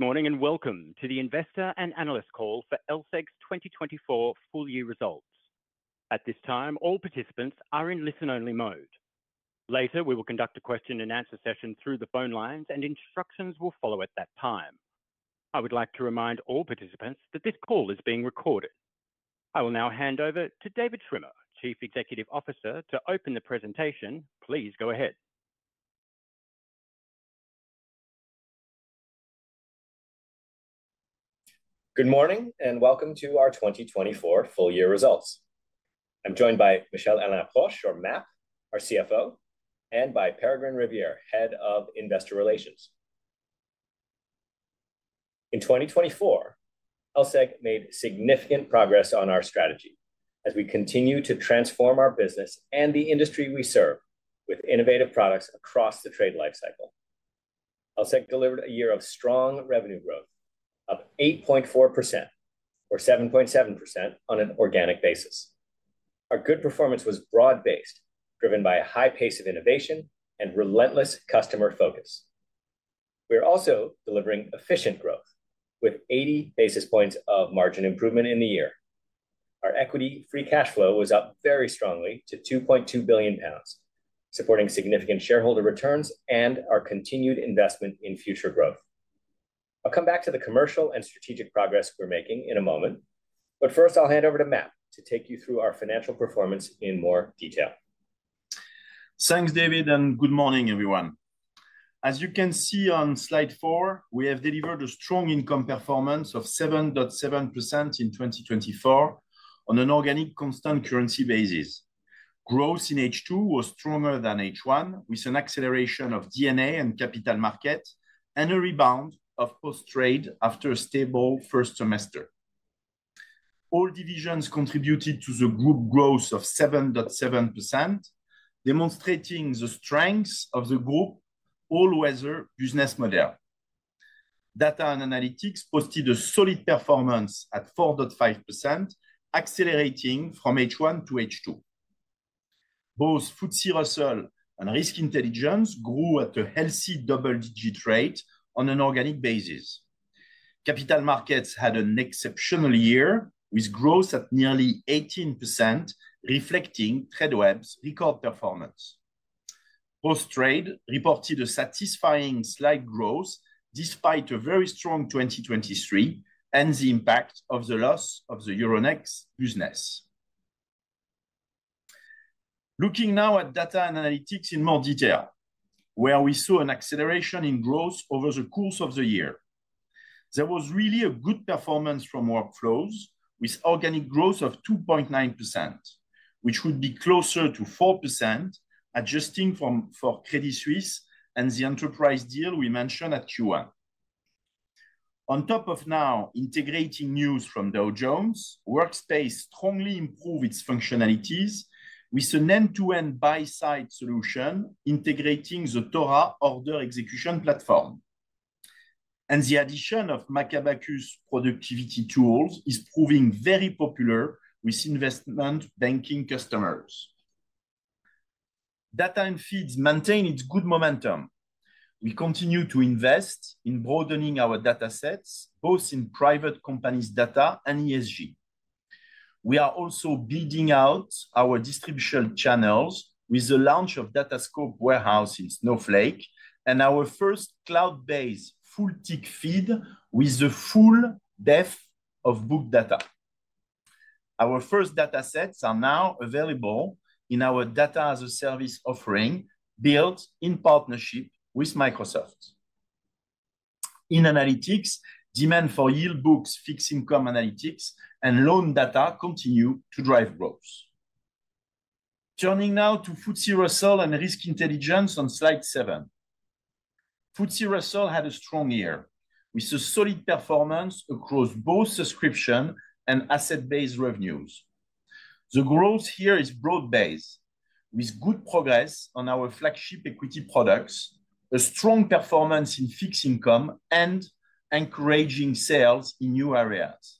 Good morning and welcome to the Investor and Analyst Call for LSEG's 2024 full year results. At this time, all participants are in listen-only mode. Later, we will conduct a question-and-answer session through the phone lines, and instructions will follow at that time. I would like to remind all participants that this call is being recorded. I will now hand over to David Schwimmer, Chief Executive Officer, to open the presentation. Please go ahead. Good morning and welcome to our 2024 full year results. I'm joined by Michel-Alain Proch, or MAP, our CFO, and by Peregrine Riviere, Head of Investor Relations. In 2024, LSEG made significant progress on our strategy as we continue to transform our business and the industry we serve with innovative products across the trade life cycle. LSEG delivered a year of strong revenue growth, up 8.4% or 7.7% on an organic basis. Our good performance was broad-based, driven by a high pace of innovation and relentless customer focus. We are also delivering efficient growth with 80 basis points of margin improvement in the year. Our equity-free cash flow was up very strongly to 2.2 billion pounds, supporting significant shareholder returns and our continued investment in future growth. I'll come back to the commercial and strategic progress we're making in a moment, but first, I'll hand over to MAP to take you through our financial performance in more detail. Thanks, David, and good morning, everyone. As you can see on slide four, we have delivered a strong income performance of 7.7% in 2024 on an organic, constant currency basis. Growth in H2 was stronger than H1, with an acceleration of D&A and Capital Markets, and a rebound of Post Trade after a stable first semester. All divisions contributed to the group growth of 7.7%, demonstrating the strengths of the group all-weather business model. Data and Analytics posted a solid performance at 4.5%, accelerating from H1 to H2. Both FTSE Russell and Risk Intelligence grew at a healthy double-digit rate on an organic basis. Capital Markets had an exceptional year, with growth at nearly 18%, reflecting Tradeweb's record performance. Post Trade, we reported a satisfying slight growth despite a very strong 2023 and the impact of the loss of the Euronext business. Looking now at Data and Analytics in more detail, where we saw an acceleration in growth over the course of the year, there was really a good performance from Workflows, with organic growth of 2.9%, which would be closer to 4%, adjusting for Credit Suisse and the enterprise deal we mentioned at Q1. On top of now integrating news from Dow Jones, Workspace strongly improved its functionalities with an end-to-end buy-side solution integrating the TORA order execution platform, and the addition of Macabacus's productivity tools is proving very popular with investment banking customers. Data and Feeds maintain its good momentum. We continue to invest in broadening our data sets, both in private companies' data and ESG. We are also building out our distribution channels with the launch of DataScope warehouse in Snowflake and our first cloud-based full tick feed with the full depth of book data. Our first data sets are now available in our Data as a Service offering built in partnership with Microsoft. In analytics, demand for Yield Book, Fixed Income analytics, and loan data continue to drive growth. Turning now to FTSE Russell and Risk Intelligence on slide seven. FTSE Russell had a strong year with a solid performance across both subscription and asset-based revenues. The growth here is broad-based, with good progress on our flagship equity products, a strong performance in Fixed Income, and encouraging sales in new areas.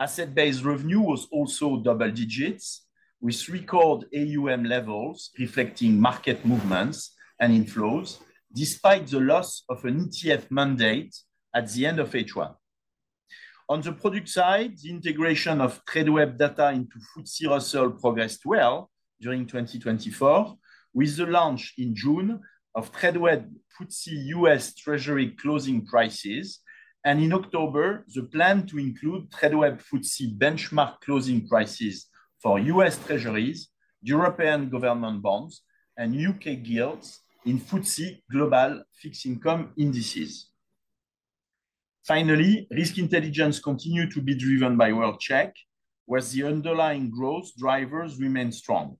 Asset-based revenue was also double-digits with record AUM levels reflecting market movements and inflows despite the loss of an ETF mandate at the end of H1. On the product side, the integration of Tradeweb data into FTSE Russell progressed well during 2024, with the launch in June of Tradeweb FTSE U.S. Treasury closing prices, and in October, the plan to include Tradeweb FTSE benchmark closing prices for US Treasuries, European government bonds, and UK gilts in FTSE Global Fixed Income Indices. Finally, Risk Intelligence continued to be driven by World-Check, where the underlying growth drivers remained strong.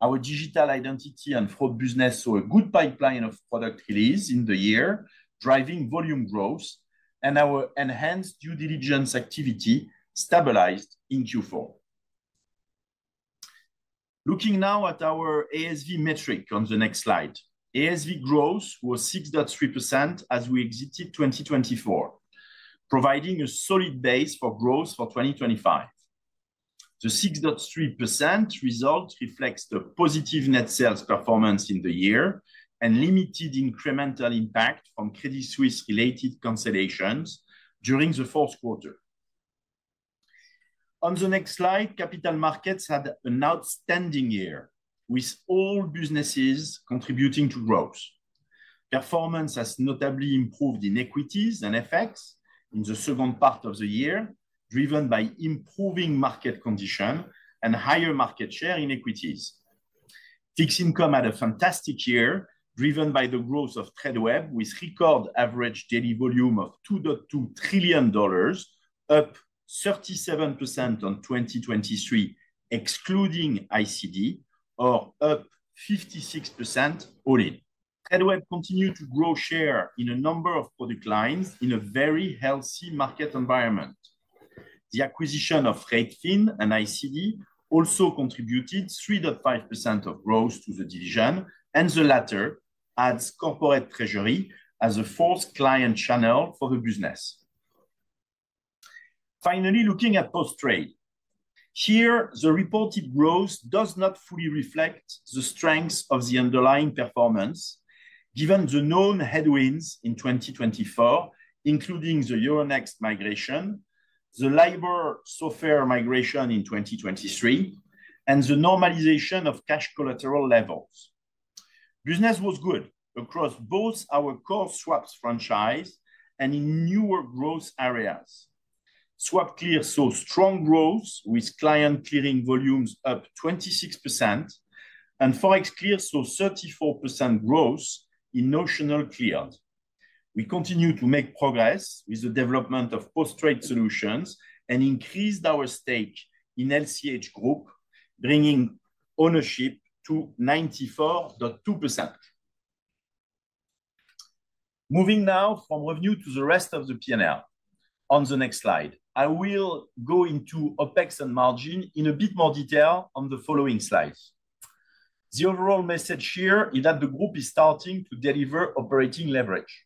Our Digital Identity and Fraud business saw a good pipeline of product release in the year, driving volume growth, and our Enhanced Due Diligence activity stabilized in Q4. Looking now at our ASV metric on the next slide, ASV growth was 6.3% as we exited 2024, providing a solid base for growth for 2025. The 6.3% result reflects the positive net sales performance in the year and limited incremental impact from Credit Suisse-related consolidations during the fourth quarter. On the next slide, Capital Markets had an outstanding year, with all businesses contributing to growth. Performance has notably improved in Equities and FX in the second part of the year, driven by improving market condition and higher market share in Equities. Fixed income had a fantastic year, driven by the growth of Tradeweb with record average daily volume of $2.2 trillion, up 37% on 2023, excluding ICD, or up 56% all in. Tradeweb continued to grow share in a number of product lines in a very healthy market environment. The acquisition of r8fin and ICD also contributed 3.5% of growth to the division, and the latter adds Corporate Treasury as a fourth client channel for the business. Finally, looking at Post Trade, here, the reported growth does not fully reflect the strengths of the underlying performance, given the known headwinds in 2024, including the Euronext migration, the LCH software migration in 2023, and the normalization of cash collateral levels. Business was good across both our core swaps franchise and in newer growth areas. SwapClear saw strong growth, with client clearing volumes up 26%, and ForexClear saw 34% growth in notional cleared. We continue to make progress with the development of Post Trade Solutions and increased our stake in LCH Group, bringing ownership to 94.2%. Moving now from revenue to the rest of the P&L. On the next slide, I will go into OpEx and margin in a bit more detail on the following slides. The overall message here is that the group is starting to deliver operating leverage.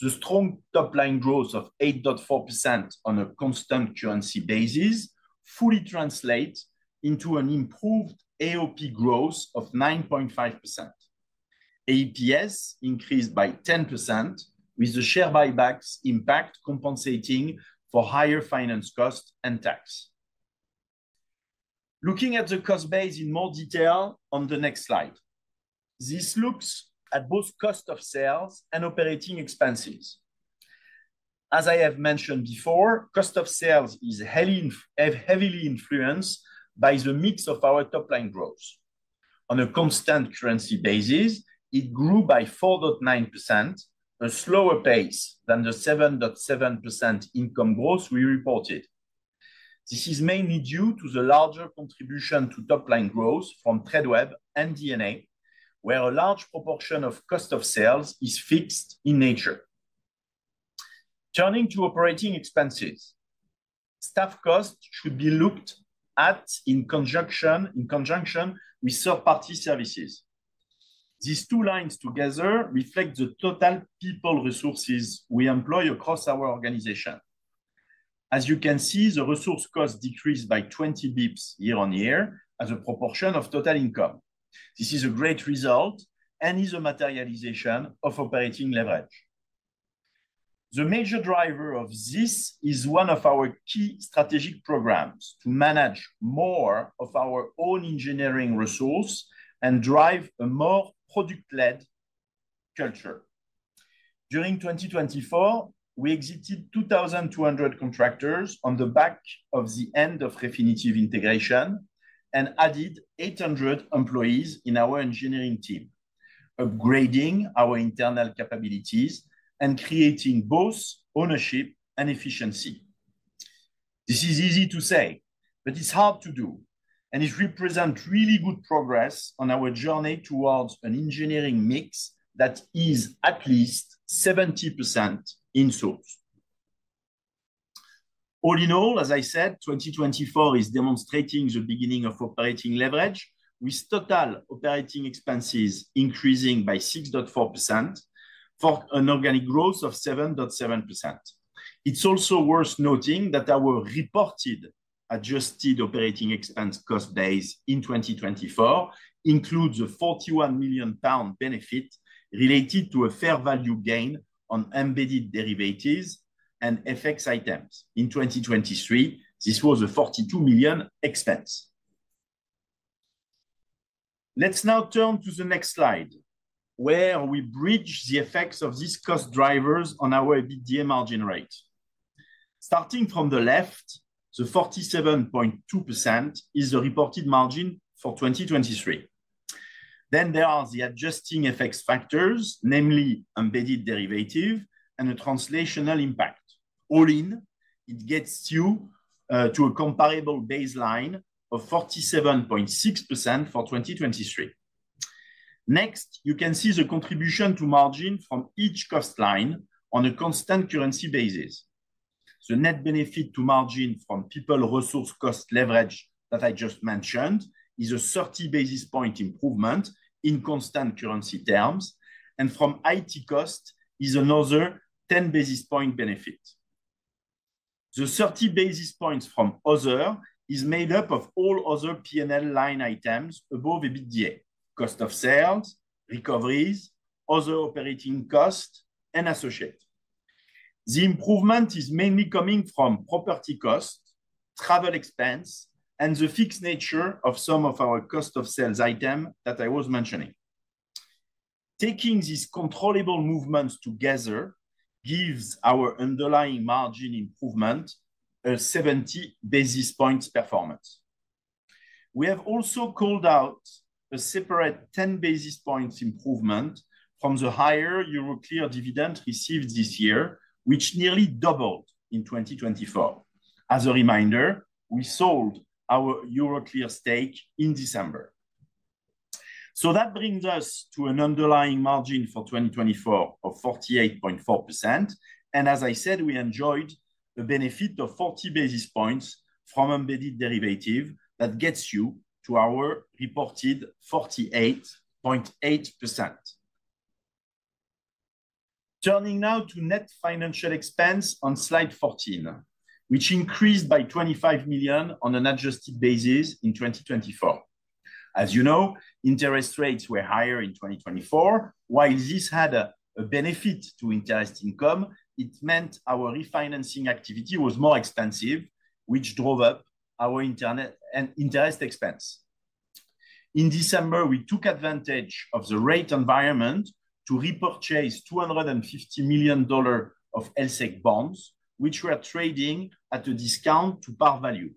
The strong top-line growth of 8.4% on a constant currency basis fully translates into an improved AOP growth of 9.5%. AEPS increased by 10%, with the share buybacks impact compensating for higher finance costs and tax. Looking at the cost base in more detail on the next slide, this looks at both cost of sales and operating expenses. As I have mentioned before, cost of sales is heavily influenced by the mix of our top-line growth. On a constant currency basis, it grew by 4.9%, a slower pace than the 7.7% income growth we reported. This is mainly due to the larger contribution to top-line growth from Tradeweb and D&A, where a large proportion of cost of sales is fixed in nature. Turning to operating expenses, staff costs should be looked at in conjunction with third-party services. These two lines together reflect the total people resources we employ across our organization. As you can see, the resource cost decreased by 20 basis points year on year as a proportion of total income. This is a great result and is a materialization of operating leverage. The major driver of this is one of our key strategic programs to manage more of our own engineering resource and drive a more product-led culture. During 2024, we exited 2,200 contractors on the back of the end of Refinitiv integration and added 800 employees in our engineering team, upgrading our internal capabilities and creating both ownership and efficiency. This is easy to say, but it's hard to do, and it represents really good progress on our journey towards an engineering mix that is at least 70% in source. All in all, as I said, 2024 is demonstrating the beginning of operating leverage, with total operating expenses increasing by 6.4% for an organic growth of 7.7%. It's also worth noting that our reported adjusted operating expense cost base in 2024 includes a 41 million pound benefit related to a fair value gain on embedded derivatives and FX items. In 2023, this was a 42 million expense. Let's now turn to the next slide, where we bridge the effects of these cost drivers on our EBITDA margin rate. Starting from the left, the 47.2% is the reported margin for 2023. Then there are the adjusting FX factors, namely embedded derivative and a translational impact. All in, it gets you to a comparable baseline of 47.6% for 2023. Next, you can see the contribution to margin from each cost line on a constant currency basis. The net benefit to margin from people resource cost leverage that I just mentioned is a 30 basis point improvement in constant currency terms, and from IT cost is another 10 basis point benefit. The 30 basis points from other is made up of all other P&L line items above EBITDA: cost of sales, recoveries, other operating costs, and associates. The improvement is mainly coming from property cost, travel expense, and the fixed nature of some of our cost of sales items that I was mentioning. Taking these controllable movements together gives our underlying margin improvement a 70 basis points performance. We have also called out a separate 10 basis points improvement from the higher Euroclear dividend received this year, which nearly doubled in 2024. As a reminder, we sold our Euroclear stake in December. So that brings us to an underlying margin for 2024 of 48.4%. As I said, we enjoyed a benefit of 40 basis points from embedded derivative that gets you to our reported 48.8%. Turning now to net financial expense on slide 14, which increased by 25 million on an adjusted basis in 2024. As you know, interest rates were higher in 2024. While this had a benefit to interest income, it meant our refinancing activity was more expensive, which drove up our interest expense. In December, we took advantage of the rate environment to repurchase $250 million of LSEG bonds, which we are trading at a discount to par value.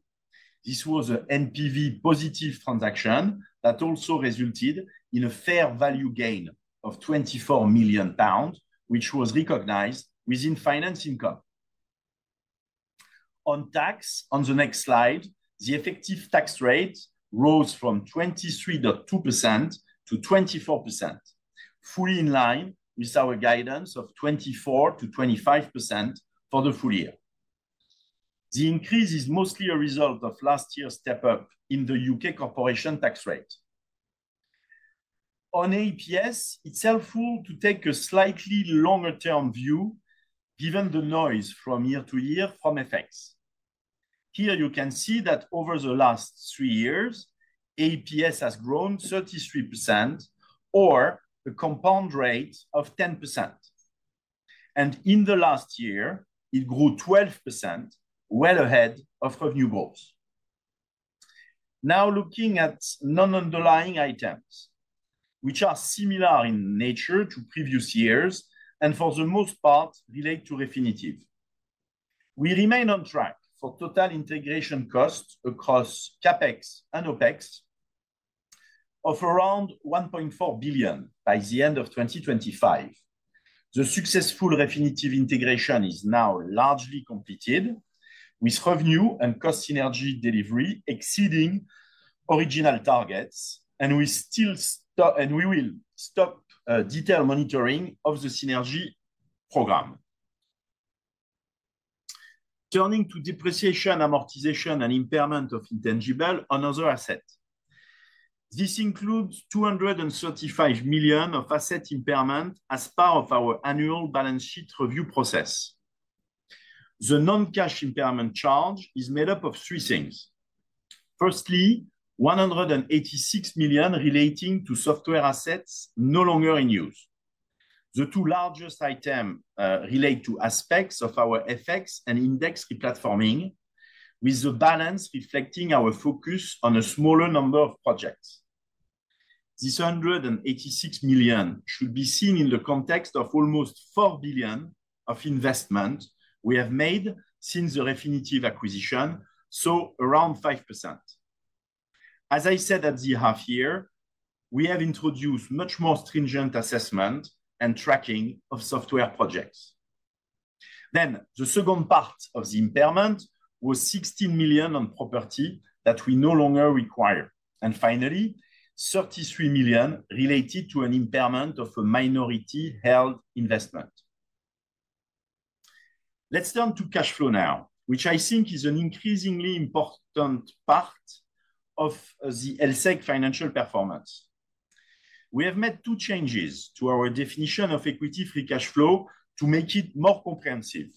This was an NPV positive transaction that also resulted in a fair value gain of 24 million pounds, which was recognized within finance income. On tax, on the next slide, the effective tax rate rose from 23.2%-24%, fully in line with our guidance of 24%-25% for the full year. The increase is mostly a result of last year's step-up in the U.K. corporation tax rate. On AEPS, it's helpful to take a slightly longer-term view given the noise from year to year from FX. Here, you can see that over the last three years, AEPS has grown 33% or a compound rate of 10%. And in the last year, it grew 12%, well ahead of revenue growth. Now looking at non-underlying items, which are similar in nature to previous years and for the most part relate to Refinitiv. We remain on track for total integration costs across CapEx and OpEx of around $1.4 billion by the end of 2025. The successful Refinitiv integration is now largely completed, with revenue and cost synergy delivery exceeding original targets, and we will stop detailed monitoring of the synergy program. Turning to depreciation, amortization, and impairment of intangibles and other assets. This includes $235 million of asset impairment as part of our annual balance sheet review process. The non-cash impairment charge is made up of three things. Firstly, $186 million relating to software assets no longer in use. The two largest items relate to aspects of our FX and index replatforming, with the balance reflecting our focus on a smaller number of projects. This $186 million should be seen in the context of almost $4 billion of investment we have made since the Refinitiv acquisition, so around 5%. As I said at the half year, we have introduced much more stringent assessment and tracking of software projects. Then the second part of the impairment was 16 million on property that we no longer require. And finally, 33 million related to an impairment of a minority held investment. Let's turn to cash flow now, which I think is an increasingly important part of the LSEG financial performance. We have made two changes to our definition of equity free cash flow to make it more comprehensive.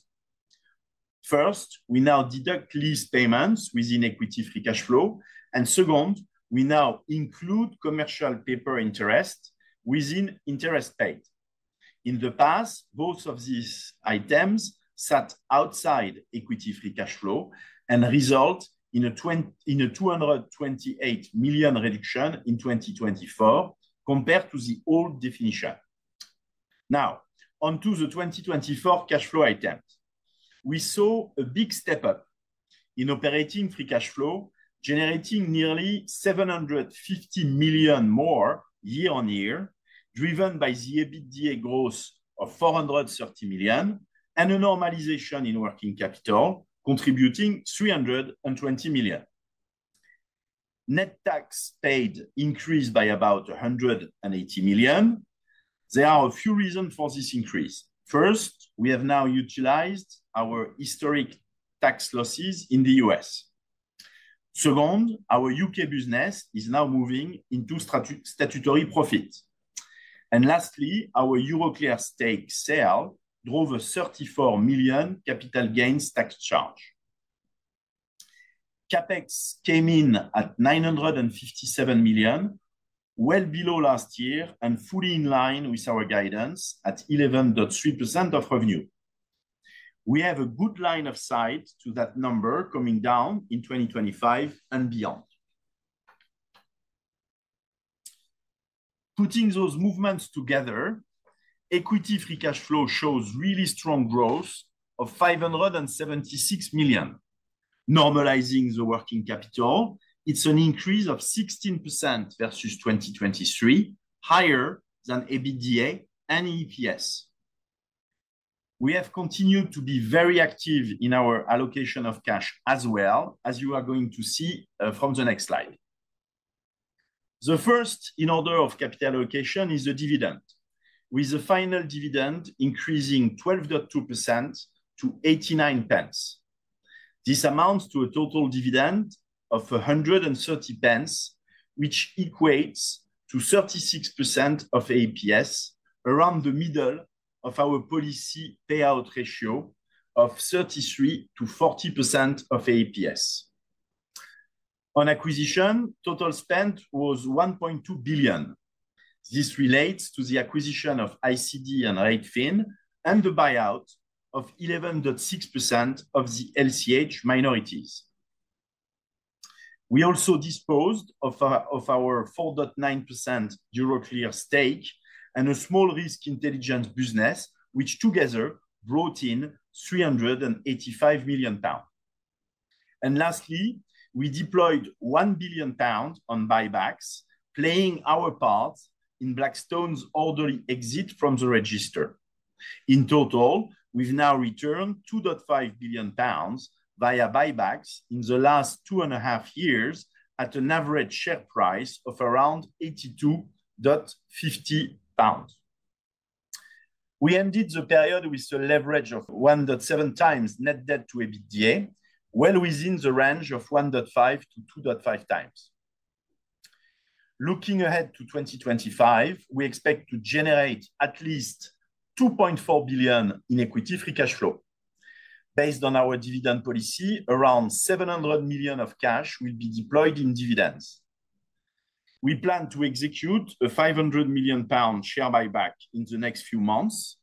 First, we now deduct lease payments within equity free cash flow. And second, we now include commercial paper interest within interest paid. In the past, both of these items sat outside equity free cash flow and resulted in a 228 million reduction in 2024 compared to the old definition. Now, onto the 2024 cash flow items. We saw a big step-up in operating free cash flow, generating nearly $750 million more year on year, driven by the EBITDA growth of $430 million and a normalization in working capital contributing $320 million. Net tax paid increased by about $180 million. There are a few reasons for this increase. First, we have now utilized our historic tax losses in the U.S. Second, our U.K. business is now moving into statutory profit. And lastly, our Euroclear stake sale drove a $34 million capital gains tax charge. CapEx came in at $957 million, well below last year and fully in line with our guidance at 11.3% of revenue. We have a good line of sight to that number coming down in 2025 and beyond. Putting those movements together, equity free cash flow shows really strong growth of $576 million. Normalizing the working capital, it's an increase of 16% versus 2023, higher than EBITDA and AEPS. We have continued to be very active in our allocation of cash as well, as you are going to see from the next slide. The first in order of capital allocation is the dividend, with the final dividend increasing 12.2% to 0.89 pence. This amounts to a total dividend of 130 pence, which equates to 36% of AEPS, around the middle of our policy payout ratio of 33%-40% of AEPS. On acquisition, total spent was $1.2 billion. This relates to the acquisition of ICD and r8fin and the buyout of 11.6% of the LCH minorities. We also disposed of our 4.9% Euroclear stake and a small Risk Intelligence business, which together brought in 385 million pounds. And lastly, we deployed 1 billion pounds on buybacks, playing our part in Blackstone's orderly exit from the register. In total, we've now returned 2.5 billion pounds via buybacks in the last two and a half years at an average share price of around 82.50 pounds. We ended the period with a leverage of 1.7 times net debt to EBITDA, well within the range of 1.5-2.5 times. Looking ahead to 2025, we expect to generate at least $2.4 billion in equity free cash flow. Based on our dividend policy, around $700 million of cash will be deployed in dividends. We plan to execute a 500 million pound share buyback in the next few months,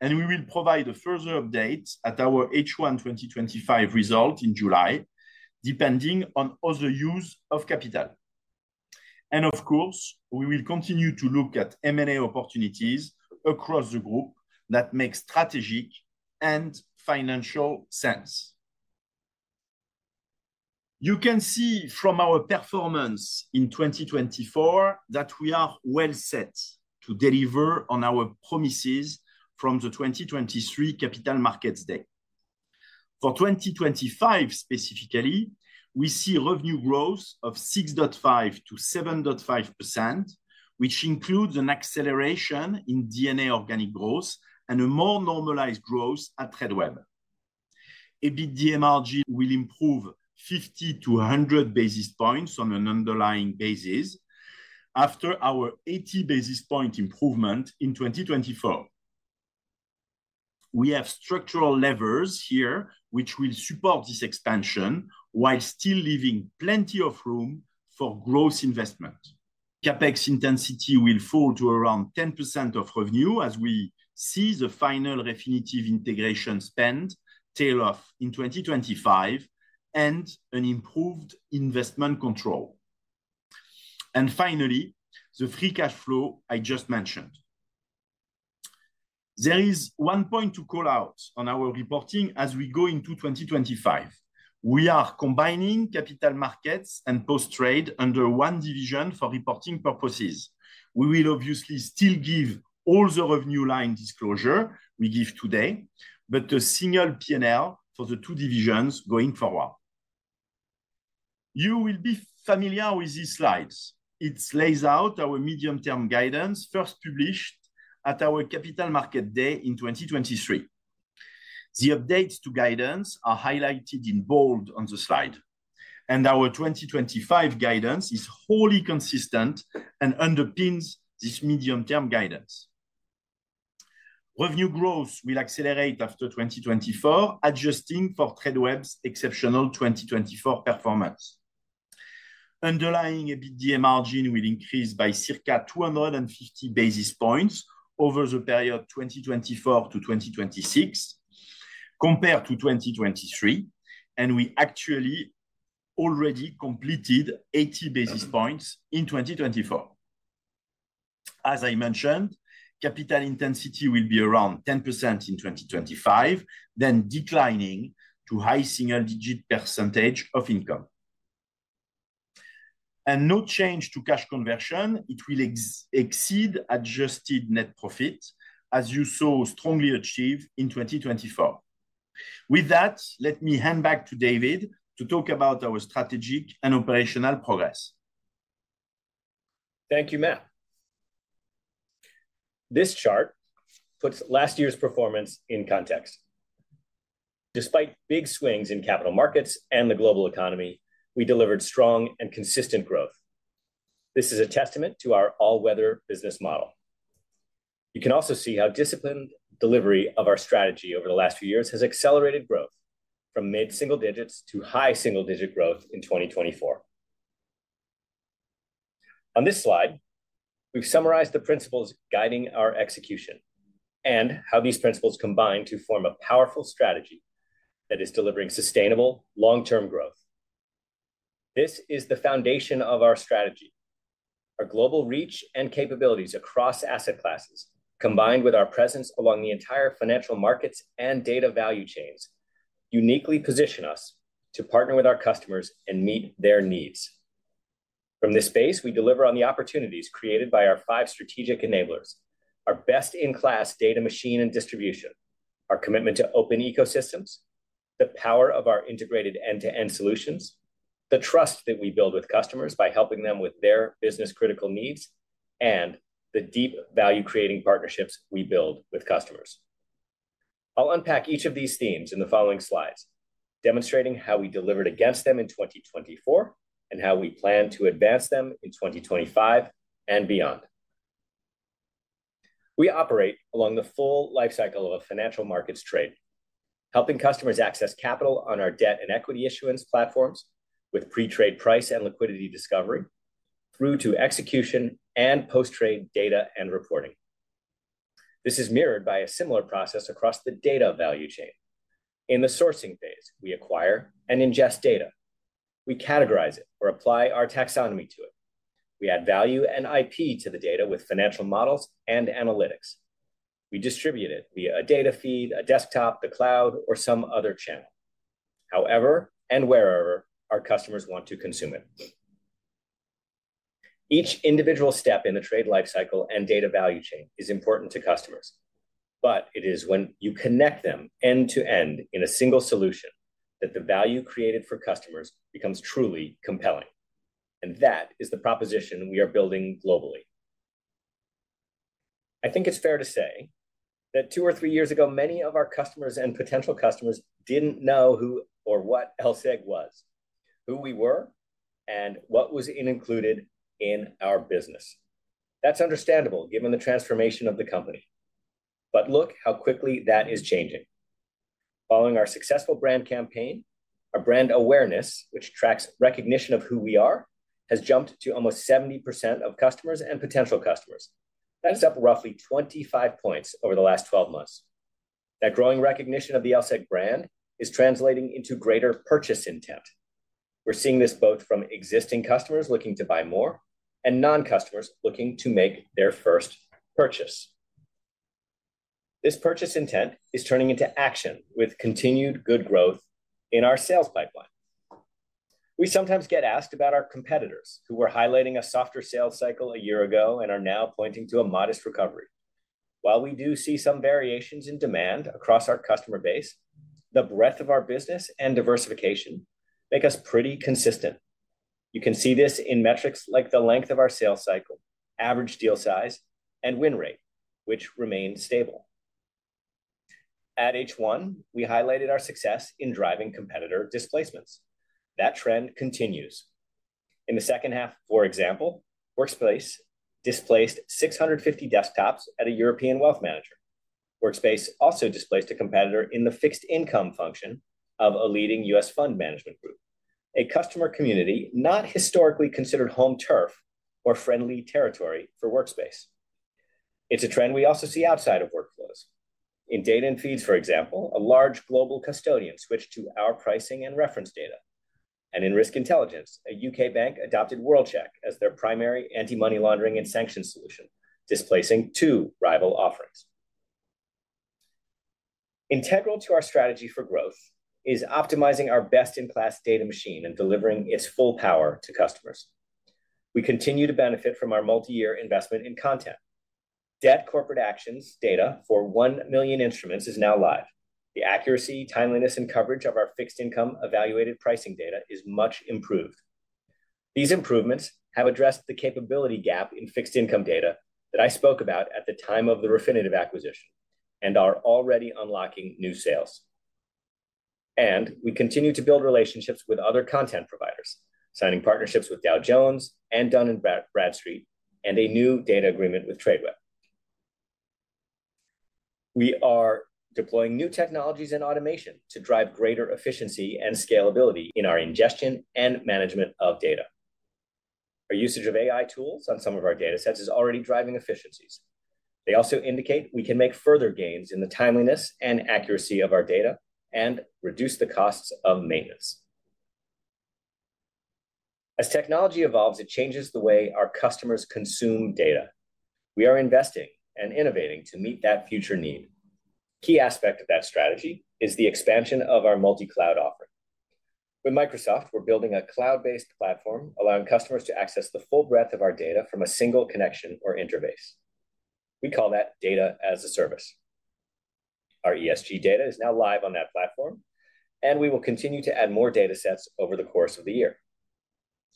and we will provide a further update at our H1 2025 result in July, depending on other use of capital. And of course, we will continue to look at M&A opportunities across the group that make strategic and financial sense. You can see from our performance in 2024 that we are well set to deliver on our promises from the 2023 Capital Markets Day. For 2025 specifically, we see revenue growth of 6.5%-7.5%, which includes an acceleration in D&A organic growth and a more normalized growth at Tradeweb. EBITDA margin will improve 50-100 basis points on an underlying basis after our 80 basis point improvement in 2024. We have structural levers here which will support this expansion while still leaving plenty of room for gross investment. CapEx intensity will fall to around 10% of revenue as we see the final Refinitiv integration spend tail off in 2025 and an improved investment control. And finally, the free cash flow I just mentioned. There is one point to call out on our reporting as we go into 2025. We are combining capital markets and Post Trade under one division for reporting purposes. We will obviously still give all the revenue line disclosure we give today, but a single P&L for the two divisions going forward. You will be familiar with these slides. It lays out our medium-term guidance first published at our Capital Markets Day in 2023. The updates to guidance are highlighted in bold on the slide, and our 2025 guidance is wholly consistent and underpins this medium-term guidance. Revenue growth will accelerate after 2024, adjusting for Tradeweb's exceptional 2024 performance. Underlying EBITDA margin will increase by circa 250 basis points over the period 2024-2026 compared to 2023, and we actually already completed 80 basis points in 2024. As I mentioned, capital intensity will be around 10% in 2025, then declining to high single-digit percentage of income, and no change to cash conversion. It will exceed adjusted net profit, as you saw strongly achieved in 2024. With that, let me hand back to David to talk about our strategic and operational progress. Thank you, MAP. This chart puts last year's performance in context. Despite big swings in capital markets and the global economy, we delivered strong and consistent growth. This is a testament to our all-weather business model. You can also see how disciplined delivery of our strategy over the last few years has accelerated growth from mid-single digits to high single-digit growth in 2024. On this slide, we've summarized the principles guiding our execution and how these principles combine to form a powerful strategy that is delivering sustainable long-term growth. This is the foundation of our strategy. Our global reach and capabilities across asset classes, combined with our presence along the entire financial markets and data value chains, uniquely position us to partner with our customers and meet their needs. From this space, we deliver on the opportunities created by our five strategic enablers, our best-in-class data machine and distribution, our commitment to open ecosystems, the power of our integrated end-to-end solutions, the trust that we build with customers by helping them with their business-critical needs, and the deep value-creating partnerships we build with customers. I'll unpack each of these themes in the following slides, demonstrating how we delivered against them in 2024 and how we plan to advance them in 2025 and beyond. We operate along the full lifecycle of a financial markets trade, helping customers access capital on our debt and equity issuance platforms with pre-trade price and liquidity discovery through to execution and post-trade data and reporting. This is mirrored by a similar process across the data value chain. In the sourcing phase, we acquire and ingest data. We categorize it or apply our taxonomy to it. We add value and IP to the data with financial models and analytics. We distribute it via a data feed, a desktop, the cloud, or some other channel, however and wherever our customers want to consume it. Each individual step in the trade lifecycle and data value chain is important to customers, but it is when you connect them end to end in a single solution that the value created for customers becomes truly compelling, and that is the proposition we are building globally. I think it's fair to say that two or three years ago, many of our customers and potential customers didn't know who or what LSEG was, who we were, and what was included in our business. That's understandable given the transformation of the company. But look how quickly that is changing. Following our successful brand campaign, our brand awareness, which tracks recognition of who we are, has jumped to almost 70% of customers and potential customers. That's up roughly 25 points over the last 12 months. That growing recognition of the LSEG brand is translating into greater purchase intent. We're seeing this both from existing customers looking to buy more and non-customers looking to make their first purchase. This purchase intent is turning into action with continued good growth in our sales pipeline. We sometimes get asked about our competitors who were highlighting a softer sales cycle a year ago and are now pointing to a modest recovery. While we do see some variations in demand across our customer base, the breadth of our business and diversification make us pretty consistent. You can see this in metrics like the length of our sales cycle, average deal size, and win rate, which remains stable. At H1, we highlighted our success in driving competitor displacements. That trend continues. In the second half, for example, Workspace displaced 650 desktops at a European wealth manager. Workspace also displaced a competitor in the fixed income function of a leading U.S. fund management group, a customer community not historically considered home turf or friendly territory for Workspace. It's a trend we also see outside of workflows. In data and feeds, for example, a large global custodian switched to our pricing and reference data. In Risk Intelligence, a U.K. bank adopted World-Check as their primary anti-money laundering and sanctions solution, displacing two rival offerings. Integral to our strategy for growth is optimizing our best-in-class data machine and delivering its full power to customers. We continue to benefit from our multi-year investment in content. Debt corporate actions data for 1 million instruments is now live. The accuracy, timeliness, and coverage of our fixed income evaluated pricing data is much improved. These improvements have addressed the capability gap in fixed income data that I spoke about at the time of the Refinitiv acquisition and are already unlocking new sales. We continue to build relationships with other content providers, signing partnerships with Dow Jones and Dun & Bradstreet and a new data agreement with Tradeweb. We are deploying new technologies and automation to drive greater efficiency and scalability in our ingestion and management of data. Our usage of AI tools on some of our data sets is already driving efficiencies. They also indicate we can make further gains in the timeliness and accuracy of our data and reduce the costs of maintenance. As technology evolves, it changes the way our customers consume data. We are investing and innovating to meet that future need. A key aspect of that strategy is the expansion of our multi-cloud offering. With Microsoft, we're building a cloud-based platform allowing customers to access the full breadth of our data from a single connection or interface. We call that data as a service. Our ESG data is now live on that platform, and we will continue to add more data sets over the course of the year.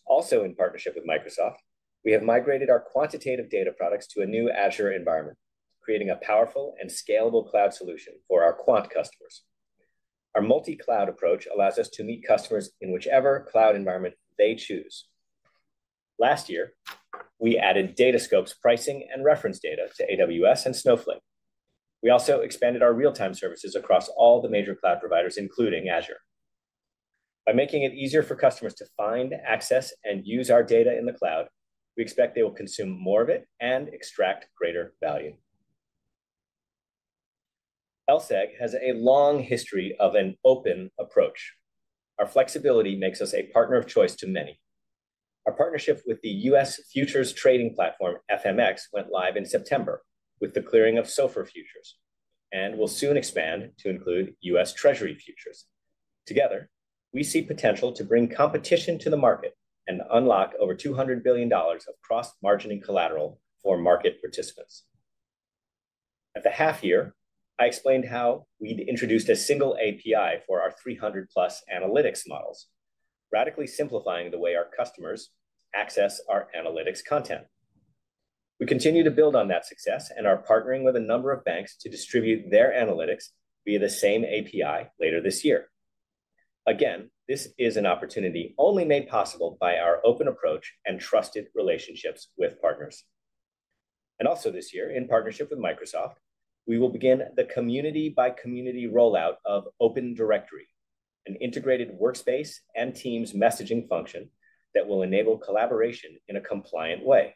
Also, in partnership with Microsoft, we have migrated our quantitative data products to a new Azure environment, creating a powerful and scalable cloud solution for our quant customers. Our multi-cloud approach allows us to meet customers in whichever cloud environment they choose. Last year, we added DataScope's pricing and reference data to AWS and Snowflake. We also expanded our real-time services across all the major cloud providers, including Azure. By making it easier for customers to find, access, and use our data in the cloud, we expect they will consume more of it and extract greater value. LSEG has a long history of an open approach. Our flexibility makes us a partner of choice to many. Our partnership with the U.S. futures trading platform FMX went live in September with the clearing of SOFR futures and will soon expand to include U.S. Treasury futures. Together, we see potential to bring competition to the market and unlock over $200 billion of cross-margin and collateral for market participants. At the half year, I explained how we'd introduced a single API for our 300-plus analytics models, radically simplifying the way our customers access our analytics content. We continue to build on that success and are partnering with a number of banks to distribute their analytics via the same API later this year. Again, this is an opportunity only made possible by our open approach and trusted relationships with partners. And also this year, in partnership with Microsoft, we will begin the community-by-community rollout of Open Directory, an integrated workspace and Teams messaging function that will enable collaboration in a compliant way.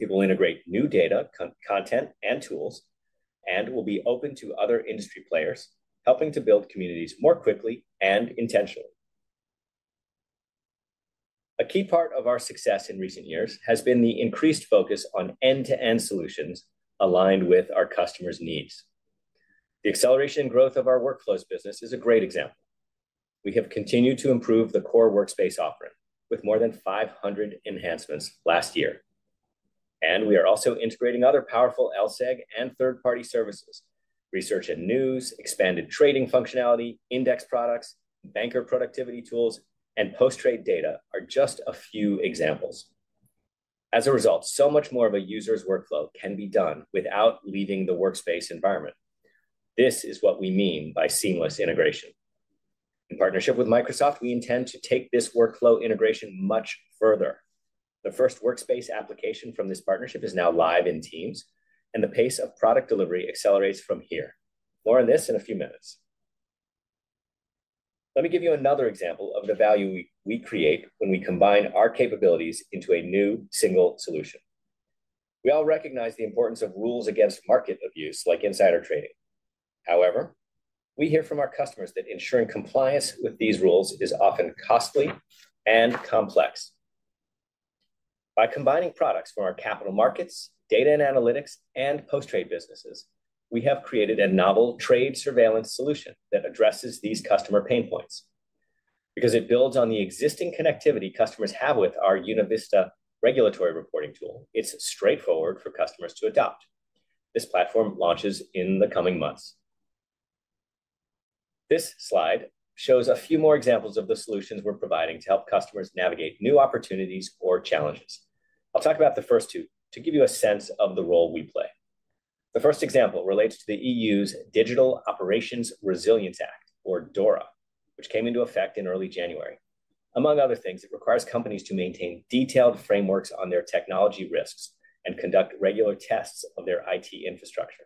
It will integrate new data, content, and tools, and will be open to other industry players, helping to build communities more quickly and intentionally. A key part of our success in recent years has been the increased focus on end-to-end solutions aligned with our customers' needs. The acceleration and growth of our workflows business is a great example. We have continued to improve the core Workspace offering with more than 500 enhancements last year, and we are also integrating other powerful LSEG and third-party services. Research and news, expanded trading functionality, index products, banker productivity tools, and post-trade data are just a few examples. As a result, so much more of a user's workflow can be done without leaving the Workspace environment. This is what we mean by seamless integration. In partnership with Microsoft, we intend to take this workflow integration much further. The first Workspace application from this partnership is now live in Teams, and the pace of product delivery accelerates from here. More on this in a few minutes. Let me give you another example of the value we create when we combine our capabilities into a new single solution. We all recognize the importance of rules against market abuse, like insider trading. However, we hear from our customers that ensuring compliance with these rules is often costly and complex. By combining products from our capital markets, data and analytics, and post-trade businesses, we have created a novel trade surveillance solution that addresses these customer pain points. Because it builds on the existing connectivity customers have with our UnaVista regulatory reporting tool, it's straightforward for customers to adopt. This platform launches in the coming months. This slide shows a few more examples of the solutions we're providing to help customers navigate new opportunities or challenges. I'll talk about the first two to give you a sense of the role we play. The first example relates to the EU's Digital Operations Resilience Act, or DORA, which came into effect in early January. Among other things, it requires companies to maintain detailed frameworks on their technology risks and conduct regular tests of their IT infrastructure.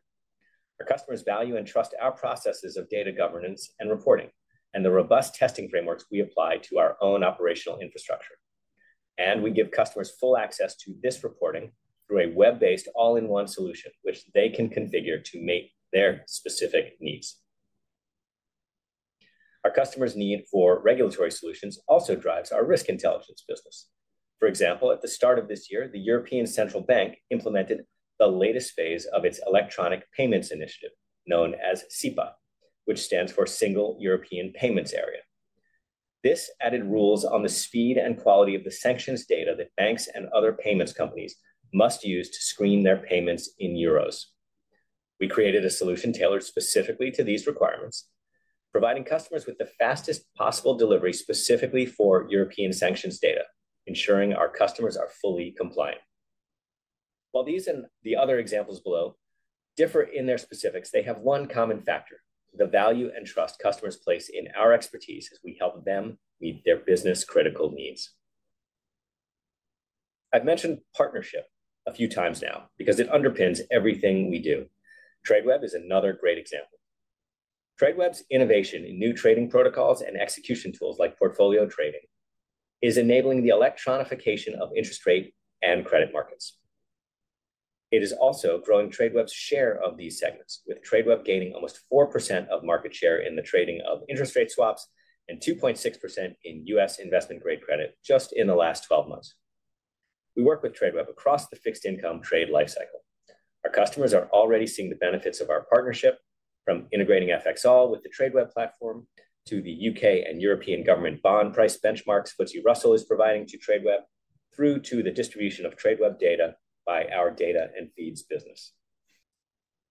Our customers value and trust our processes of data governance and reporting and the robust testing frameworks we apply to our own operational infrastructure. And we give customers full access to this reporting through a web-based all-in-one solution, which they can configure to meet their specific needs. Our customers' need for regulatory solutions also drives our Risk Intelligence business. For example, at the start of this year, the European Central Bank implemented the latest phase of its electronic payments initiative, known as SEPA, which stands for Single Euro Payments Area. This added rules on the speed and quality of the sanctions data that banks and other payments companies must use to screen their payments in euros. We created a solution tailored specifically to these requirements, providing customers with the fastest possible delivery specifically for European sanctions data, ensuring our customers are fully compliant. While these and the other examples below differ in their specifics, they have one common factor: the value and trust customers place in our expertise as we help them meet their business-critical needs. I've mentioned partnership a few times now because it underpins everything we do. Tradeweb is another great example. Tradeweb's innovation in new trading protocols and execution tools like portfolio trading is enabling the electronification of interest rate and credit markets. It is also growing Tradeweb's share of these segments, with Tradeweb gaining almost 4% of market share in the trading of interest rate swaps and 2.6% in U.S. investment-grade credit just in the last 12 months. We work with Tradeweb across the fixed income trade lifecycle. Our customers are already seeing the benefits of our partnership, from integrating FXall with the Tradeweb platform to the U.K. and European government bond price benchmarks FTSE Russell is providing to Tradeweb, through to the distribution of Tradeweb data by our data and feeds business.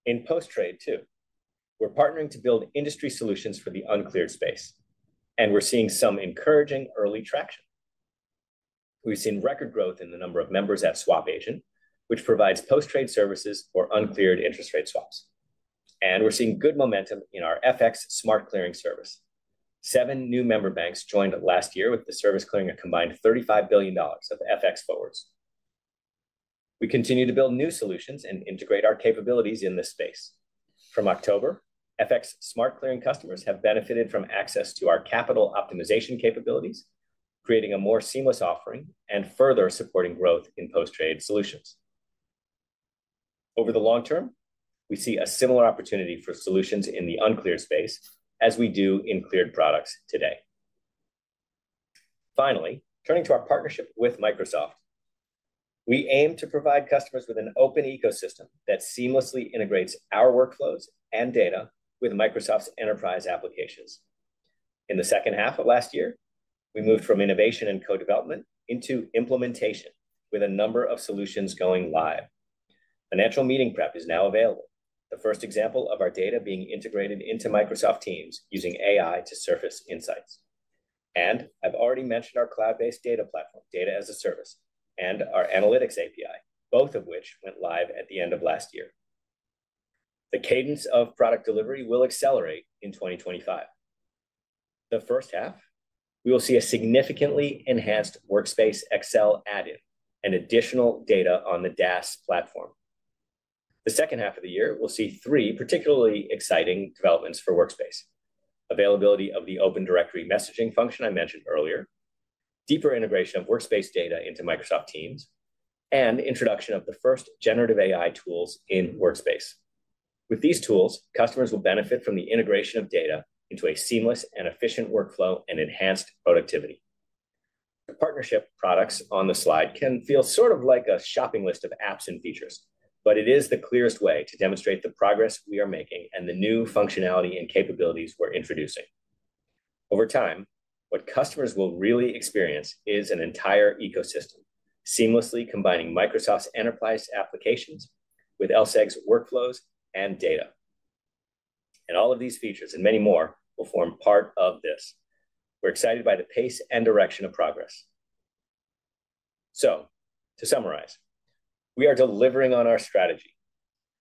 In post-trade, too, we're partnering to build industry solutions for the uncleared space, and we're seeing some encouraging early traction. We've seen record growth in the number of members at SwapAgent, which provides post-trade services for uncleared interest rate swaps. And we're seeing good momentum in our ForexClear service. Seven new member banks joined last year with the service clearing a combined $35 billion of FX forwards. We continue to build new solutions and integrate our capabilities in this space. From October, FX Smart Clearing customers have benefited from access to our capital optimization capabilities, creating a more seamless offering and further supporting growth in post-trade solutions. Over the long term, we see a similar opportunity for solutions in the uncleared space as we do in cleared products today. Finally, turning to our partnership with Microsoft, we aim to provide customers with an open ecosystem that seamlessly integrates our workflows and data with Microsoft's enterprise applications. In the second half of last year, we moved from innovation and co-development into implementation with a number of solutions going live. Financial Meeting Prep is now available, the first example of our data being integrated into Microsoft Teams using AI to surface insights. And I've already mentioned our cloud-based data platform, Data as a Service, and our analytics API, both of which went live at the end of last year. The cadence of product delivery will accelerate in 2025. The first half, we will see a significantly enhanced Workspace Excel add-in and additional data on the DaaS platform. The second half of the year, we'll see three particularly exciting developments for Workspace: availability of the Open Directory messaging function I mentioned earlier, deeper integration of Workspace data into Microsoft Teams, and introduction of the first generative AI tools in Workspace. With these tools, customers will benefit from the integration of data into a seamless and efficient workflow and enhanced productivity. The partnership products on the slide can feel sort of like a shopping list of apps and features, but it is the clearest way to demonstrate the progress we are making and the new functionality and capabilities we're introducing. Over time, what customers will really experience is an entire ecosystem seamlessly combining Microsoft's enterprise applications with LSEG's workflows and data, and all of these features and many more will form part of this. We're excited by the pace and direction of progress, so to summarize, we are delivering on our strategy.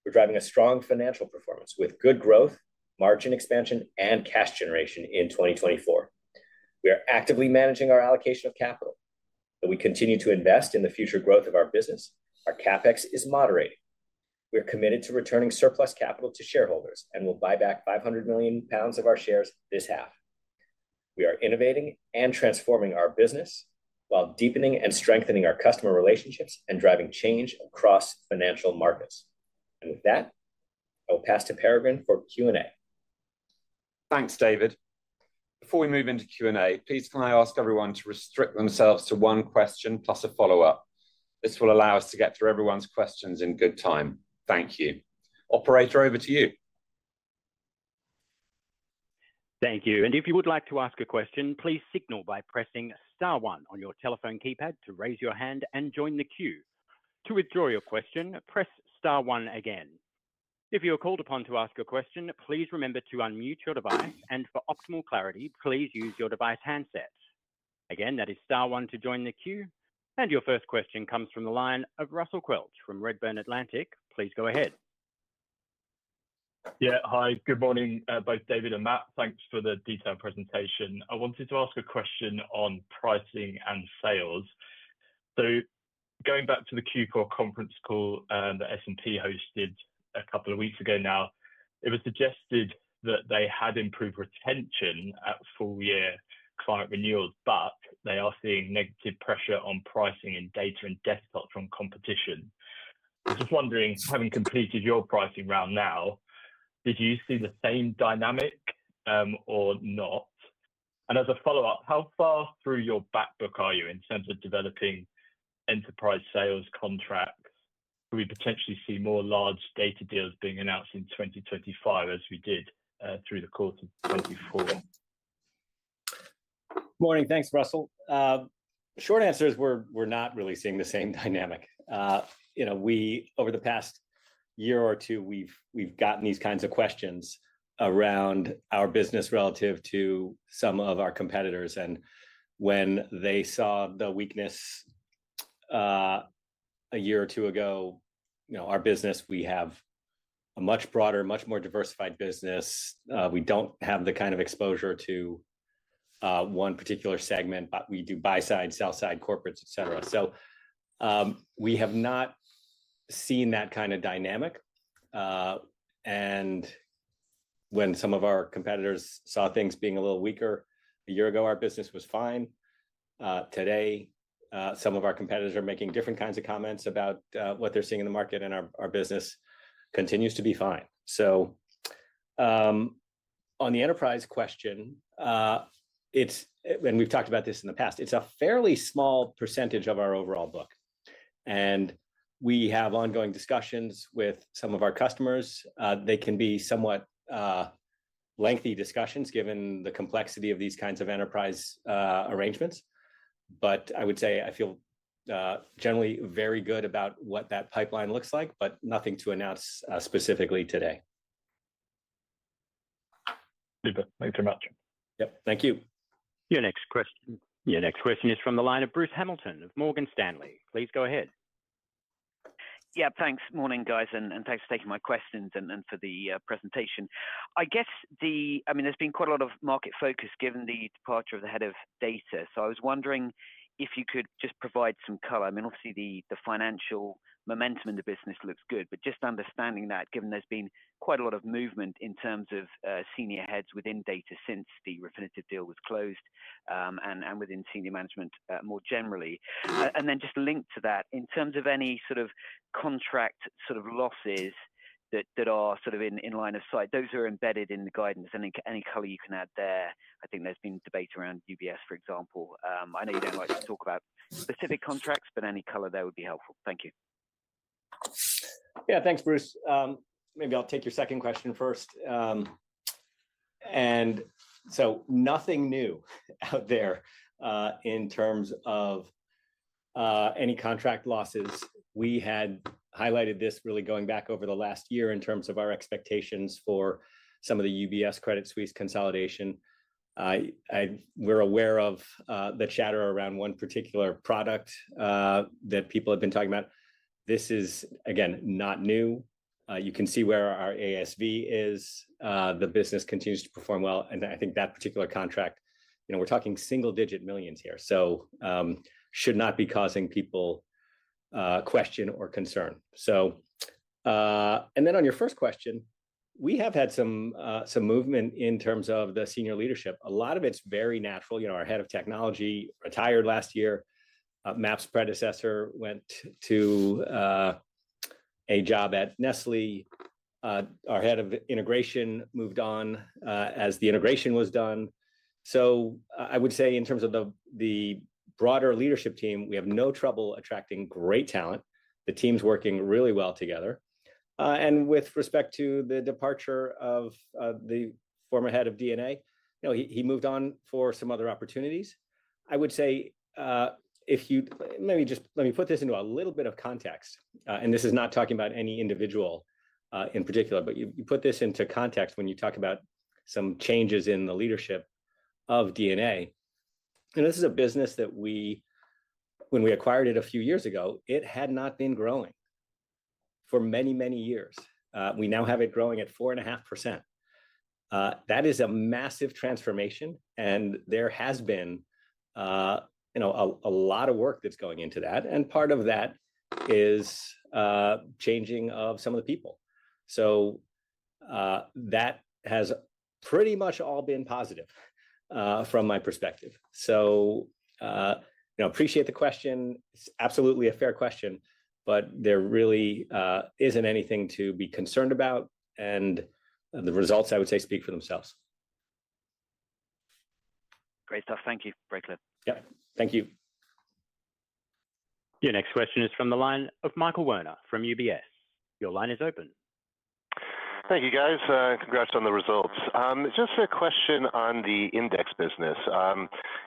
We're driving a strong financial performance with good growth, margin expansion, and cash generation in 2024. We are actively managing our allocation of capital. We continue to invest in the future growth of our business. Our CapEx is moderating. We are committed to returning surplus capital to shareholders and will buy back 500 million pounds of our shares this half. We are innovating and transforming our business while deepening and strengthening our customer relationships and driving change across financial markets. And with that, I will pass to Peregrine for Q&A. Thanks, David. Before we move into Q&A, please can I ask everyone to restrict themselves to one question plus a follow-up? This will allow us to get through everyone's questions in good time. Thank you. Operator, over to you. Thank you. And if you would like to ask a question, please signal by pressing Star 1 on your telephone keypad to raise your hand and join the queue. To withdraw your question, press Star 1 again. If you are called upon to ask a question, please remember to unmute your device. And for optimal clarity, please use your device handset. Again, that is Star 1 to join the queue. And your first question comes from the line of Russell Quelch from Redburn Atlantic. Please go ahead. Yeah, hi, good morning, both David and MAP. Thanks for the detailed presentation. I wanted to ask a question on pricing and sales. So going back to the Q4 conference call that S&P hosted a couple of weeks ago now, it was suggested that they had improved retention at full-year client renewals, but they are seeing negative pressure on pricing and data and desktops from competition. I'm just wondering, having completed your pricing round now, did you see the same dynamic or not? And as a follow-up, how far through your backbook are you in terms of developing enterprise sales contracts? Could we potentially see more large data deals being announced in 2025 as we did through the course of 2024? Morning, thanks, Russell. Short answer is we're not really seeing the same dynamic. Over the past year or two, we've gotten these kinds of questions around our business relative to some of our competitors. And when they saw the weakness a year or two ago, our business, we have a much broader, much more diversified business. We don't have the kind of exposure to one particular segment, but we do buy-side, sell-side, corporates, etc. So we have not seen that kind of dynamic. And when some of our competitors saw things being a little weaker a year ago, our business was fine. Today, some of our competitors are making different kinds of comments about what they're seeing in the market, and our business continues to be fine. So on the enterprise question, and we've talked about this in the past, it's a fairly small percentage of our overall book. And we have ongoing discussions with some of our customers. They can be somewhat lengthy discussions given the complexity of these kinds of enterprise arrangements. But I would say I feel generally very good about what that pipeline looks like, but nothing to announce specifically today. Super. Thanks very much. Yep, thank you. Your next question. Your next question is from the line of Bruce Hamilton of Morgan Stanley. Please go ahead. Yeah, thanks. Morning, guys, and thanks for taking my questions and for the presentation. I guess, I mean, there's been quite a lot of market focus given the departure of the head of data. So I was wondering if you could just provide some color. I mean, obviously, the financial momentum in the business looks good, but just understanding that, given there's been quite a lot of movement in terms of senior heads within data since the Refinitiv deal was closed and within senior management more generally. And then just linked to that, in terms of any sort of contract sort of losses that are sort of in line of sight, those are embedded in the guidance. And any color you can add there. I think there's been debate around UBS, for example. I know you don't like to talk about specific contracts, but any color, that would be helpful. Thank you. Yeah, thanks, Bruce. Maybe I'll take your second question first. And so nothing new out there in terms of any contract losses. We had highlighted this really going back over the last year in terms of our expectations for some of the UBS Credit Suisse consolidation. We're aware of the chatter around one particular product that people have been talking about. This is, again, not new. You can see where our ASV is. The business continues to perform well. And I think that particular contract, we're talking single-digit millions here, so should not be causing people question or concern. And then on your first question, we have had some movement in terms of the senior leadership. A lot of it's very natural. Our Head of Technology retired last year. MAP's predecessor went to a job at Nestlé. Our Head of Integration moved on as the integration was done. So I would say in terms of the broader leadership team, we have no trouble attracting great talent. The team's working really well together. And with respect to the departure of the former head of D&A, he moved on for some other opportunities. I would say, if you let me just put this into a little bit of context, and this is not talking about any individual in particular, but you put this into context when you talk about some changes in the leadership of D&A. This is a business that when we acquired it a few years ago, it had not been growing for many, many years. We now have it growing at 4.5%. That is a massive transformation, and there has been a lot of work that's going into that. And part of that is changing of some of the people. So that has pretty much all been positive from my perspective. So I appreciate the question. It's absolutely a fair question, but there really isn't anything to be concerned about. The results, I would say, speak for themselves. Great stuff. Thank you, David. Yep, thank you. Your next question is from the line of Michael Werner from UBS. Your line is open. Thank you, guys. Congrats on the results. Just a question on the index business.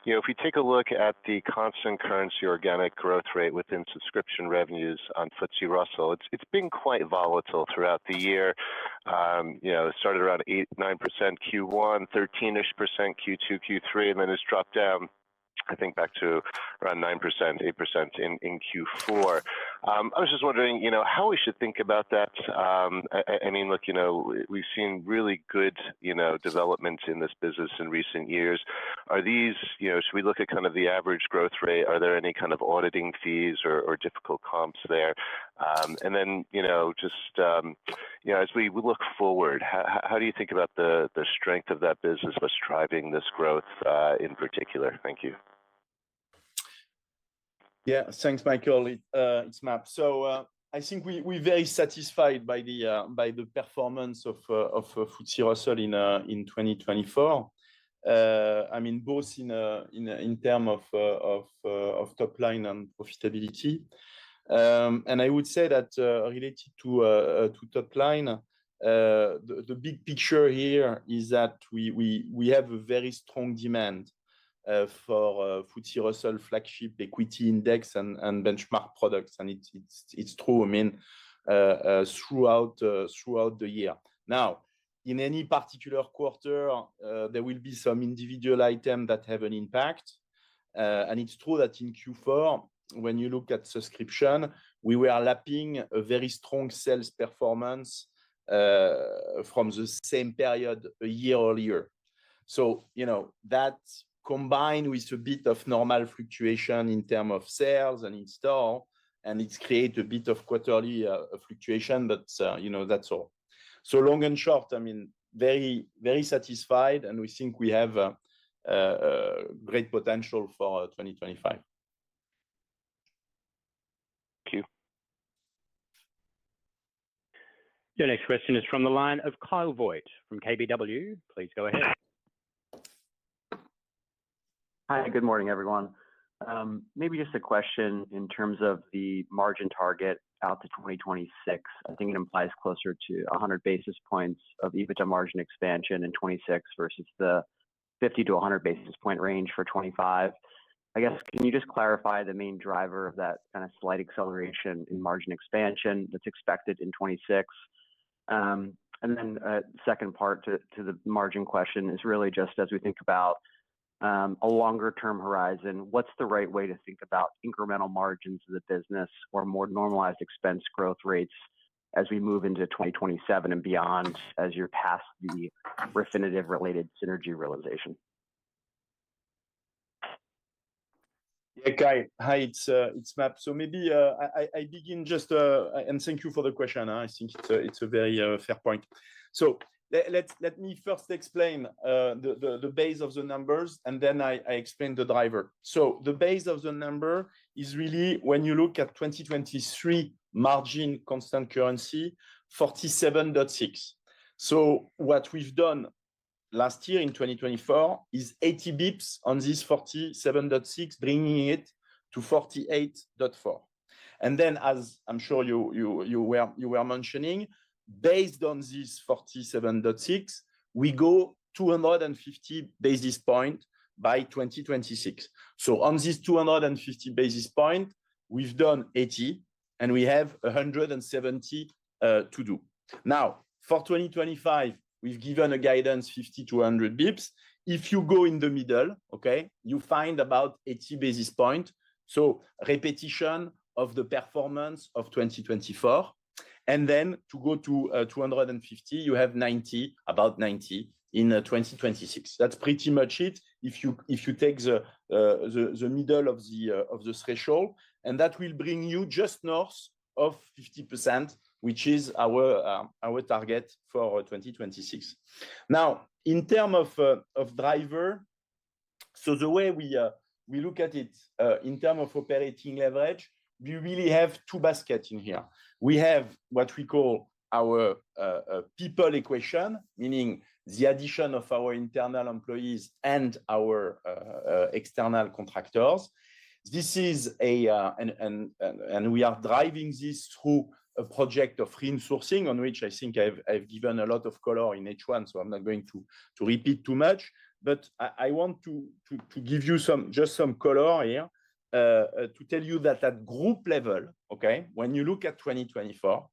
If we take a look at the constant currency organic growth rate within subscription revenues on FTSE Russell, it's been quite volatile throughout the year. It started around 8%-9% Q1, 13-ish% Q2, Q3, and then it's dropped down, I think, back to around 9%-8% in Q4. I was just wondering how we should think about that. I mean, look, we've seen really good developments in this business in recent years. Are these, should we look at kind of the average growth rate? Are there any kind of auditing fees or difficult comps there? And then just as we look forward, how do you think about the strength of that business? What's driving this growth in particular? Thank you. Yeah, thanks, Michael. It's MAP. So I think we're very satisfied by the performance of FTSE Russell in 2024, I mean, both in terms of top line and profitability. And I would say that related to top line, the big picture here is that we have a very strong demand for FTSE Russell flagship equity index and benchmark products. And it's true, I mean, throughout the year. Now, in any particular quarter, there will be some individual items that have an impact. And it's true that in Q4, when you look at subscription, we were lapping a very strong sales performance from the same period a year earlier. So that combined with a bit of normal fluctuation in terms of sales and install, and it's created a bit of quarterly fluctuation, but that's all. So long and short, I mean, very satisfied, and we think we have great potential for 2025. Thank you. Your next question is from the line of Kyle Voigt from KBW. Please go ahead. Hi, good morning, everyone. Maybe just a question in terms of the margin target out to 2026. I think it implies closer to 100 basis points of EBITDA margin expansion in 2026 versus the 50 to 100 basis point range for 2025. I guess, can you just clarify the main driver of that kind of slight acceleration in margin expansion that's expected in 2026? The second part to the margin question is really just as we think about a longer-term horizon. What's the right way to think about incremental margins of the business or more normalized expense growth rates as we move into 2027 and beyond as you're past the Refinitiv-related synergy realization? Yeah, hi, it's MAP. So maybe I begin just, and thank you for the question. I think it's a very fair point. So let me first explain the base of the numbers, and then I explain the driver. So the base of the number is really when you look at 2023 margin constant currency, 47.6. So what we've done last year in 2024 is 80 basis points on this 47.6, bringing it to 48.4. Then, as I'm sure you were mentioning, based on this 47.6, we go 250 basis points by 2026. So on this 250 basis points, we've done 80, and we have 170 to do. Now, for 2025, we've given a guidance 50-100 basis points. If you go in the middle, okay, you find about 80 basis points. So repetition of the performance of 2024. And then to go to 250, you have 90, about 90 in 2026. That's pretty much it if you take the middle of the threshold. And that will bring you just north of 50%, which is our target for 2026. Now, in terms of driver, so the way we look at it in terms of operating leverage, we really have two baskets in here. We have what we call our people equation, meaning the addition of our internal employees and our external contractors. This is a, and we are driving this through a project of reinforcing on which I think I've given a lot of color in each one, so I'm not going to repeat too much. But I want to give you just some color here to tell you that at group level, okay, when you look at 2024,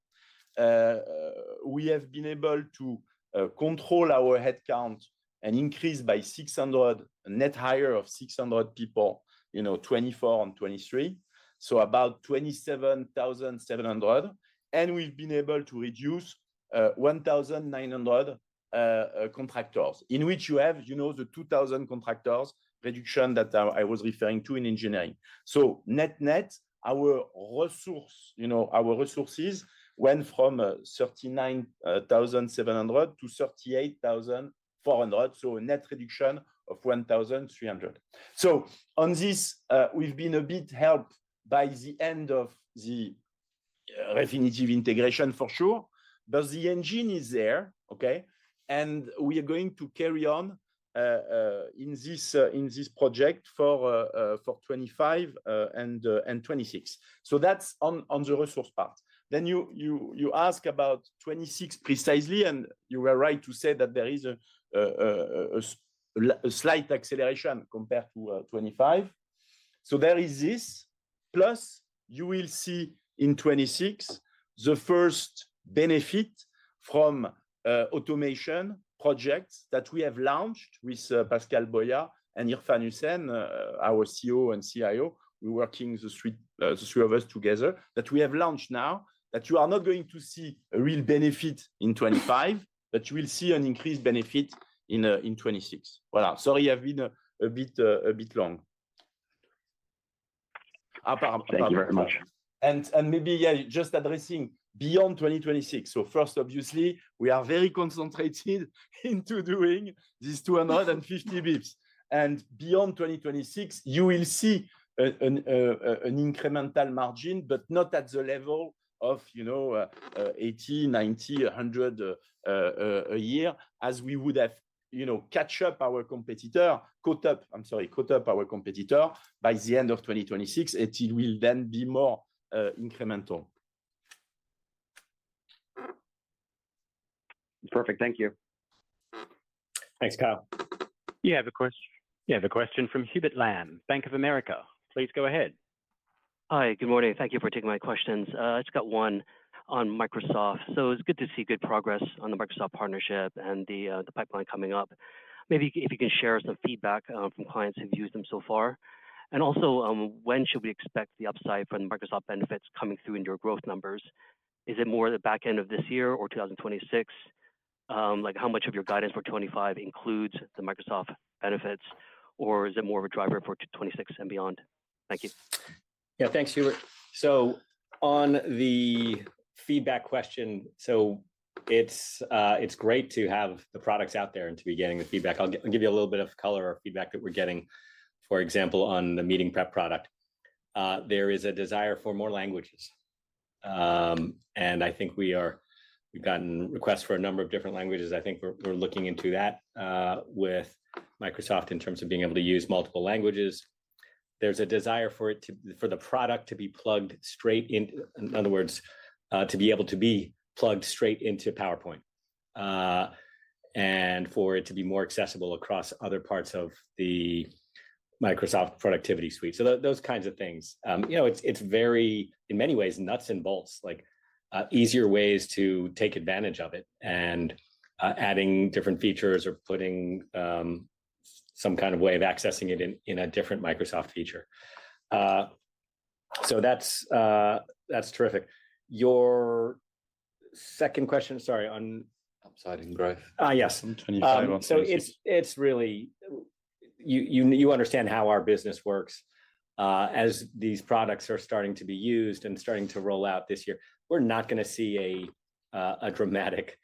we have been able to control our headcount and increase by 600, net higher of 600 people in 2024 and 2023, so about 27,700. And we've been able to reduce 1,900 contractors, in which you have the 2,000 contractors reduction that I was referring to in engineering. So net net, our resources went from 39,700-38,400, so a net reduction of 1,300. So on this, we've been a bit helped by the end of the Refinitiv integration, for sure. But the engine is there, okay? We are going to carry on in this project for 2025 and 2026. That's on the resource part. Then you ask about 2026 precisely, and you were right to say that there is a slight acceleration compared to 2025. There is this. Plus, you will see in 2026 the first benefit from automation projects that we have launched with Pascal Boillat and Irfan Hussain, our COO and CIO. We are working the three of us together that we have launched now, that you are not going to see a real benefit in 2025, but you will see an increased benefit in 2026. Voilà. Sorry, I have been a bit long. Thank you very much. Maybe, yeah, just addressing beyond 2026. First, obviously, we are very concentrated into doing these 250 basis points. And beyond 2026, you will see an incremental margin, but not at the level of 80, 90, 100 a year, as we would have catch up our competitor, caught up, I'm sorry, caught up our competitor by the end of 2026, and it will then be more incremental. Perfect. Thank you. Thanks, Kyle. You have a question? You have a question from Hubert Lam, Bank of America. Please go ahead. Hi, good morning. Thank you for taking my questions. I just got one on Microsoft. So it's good to see good progress on the Microsoft partnership and the pipeline coming up. Maybe if you can share some feedback from clients who've used them so far. And also, when should we expect the upside from the Microsoft benefits coming through in your growth numbers? Is it more the back end of this year or 2026? How much of your guidance for 2025 includes the Microsoft benefits, or is it more of a driver for 2026 and beyond? Thank you. Yeah, thanks, Hubert. So on the feedback question, so it's great to have the products out there and to be getting the feedback. I'll give you a little bit of color or feedback that we're getting. For example, on the meeting prep product, there is a desire for more languages. And I think we've gotten requests for a number of different languages. I think we're looking into that with Microsoft in terms of being able to use multiple languages. There's a desire for the product to be plugged straight into, in other words, to be able to be plugged straight into PowerPoint and for it to be more accessible across other parts of the Microsoft productivity suite. So those kinds of things. It's very, in many ways, nuts and bolts, easier ways to take advantage of it and adding different features or putting some kind of way of accessing it in a different Microsoft feature, so that's terrific. Your second question, sorry, on upside in growth. Yes. So it's really you understand how our business works. As these products are starting to be used and starting to roll out this year, we're not going to see a dramatic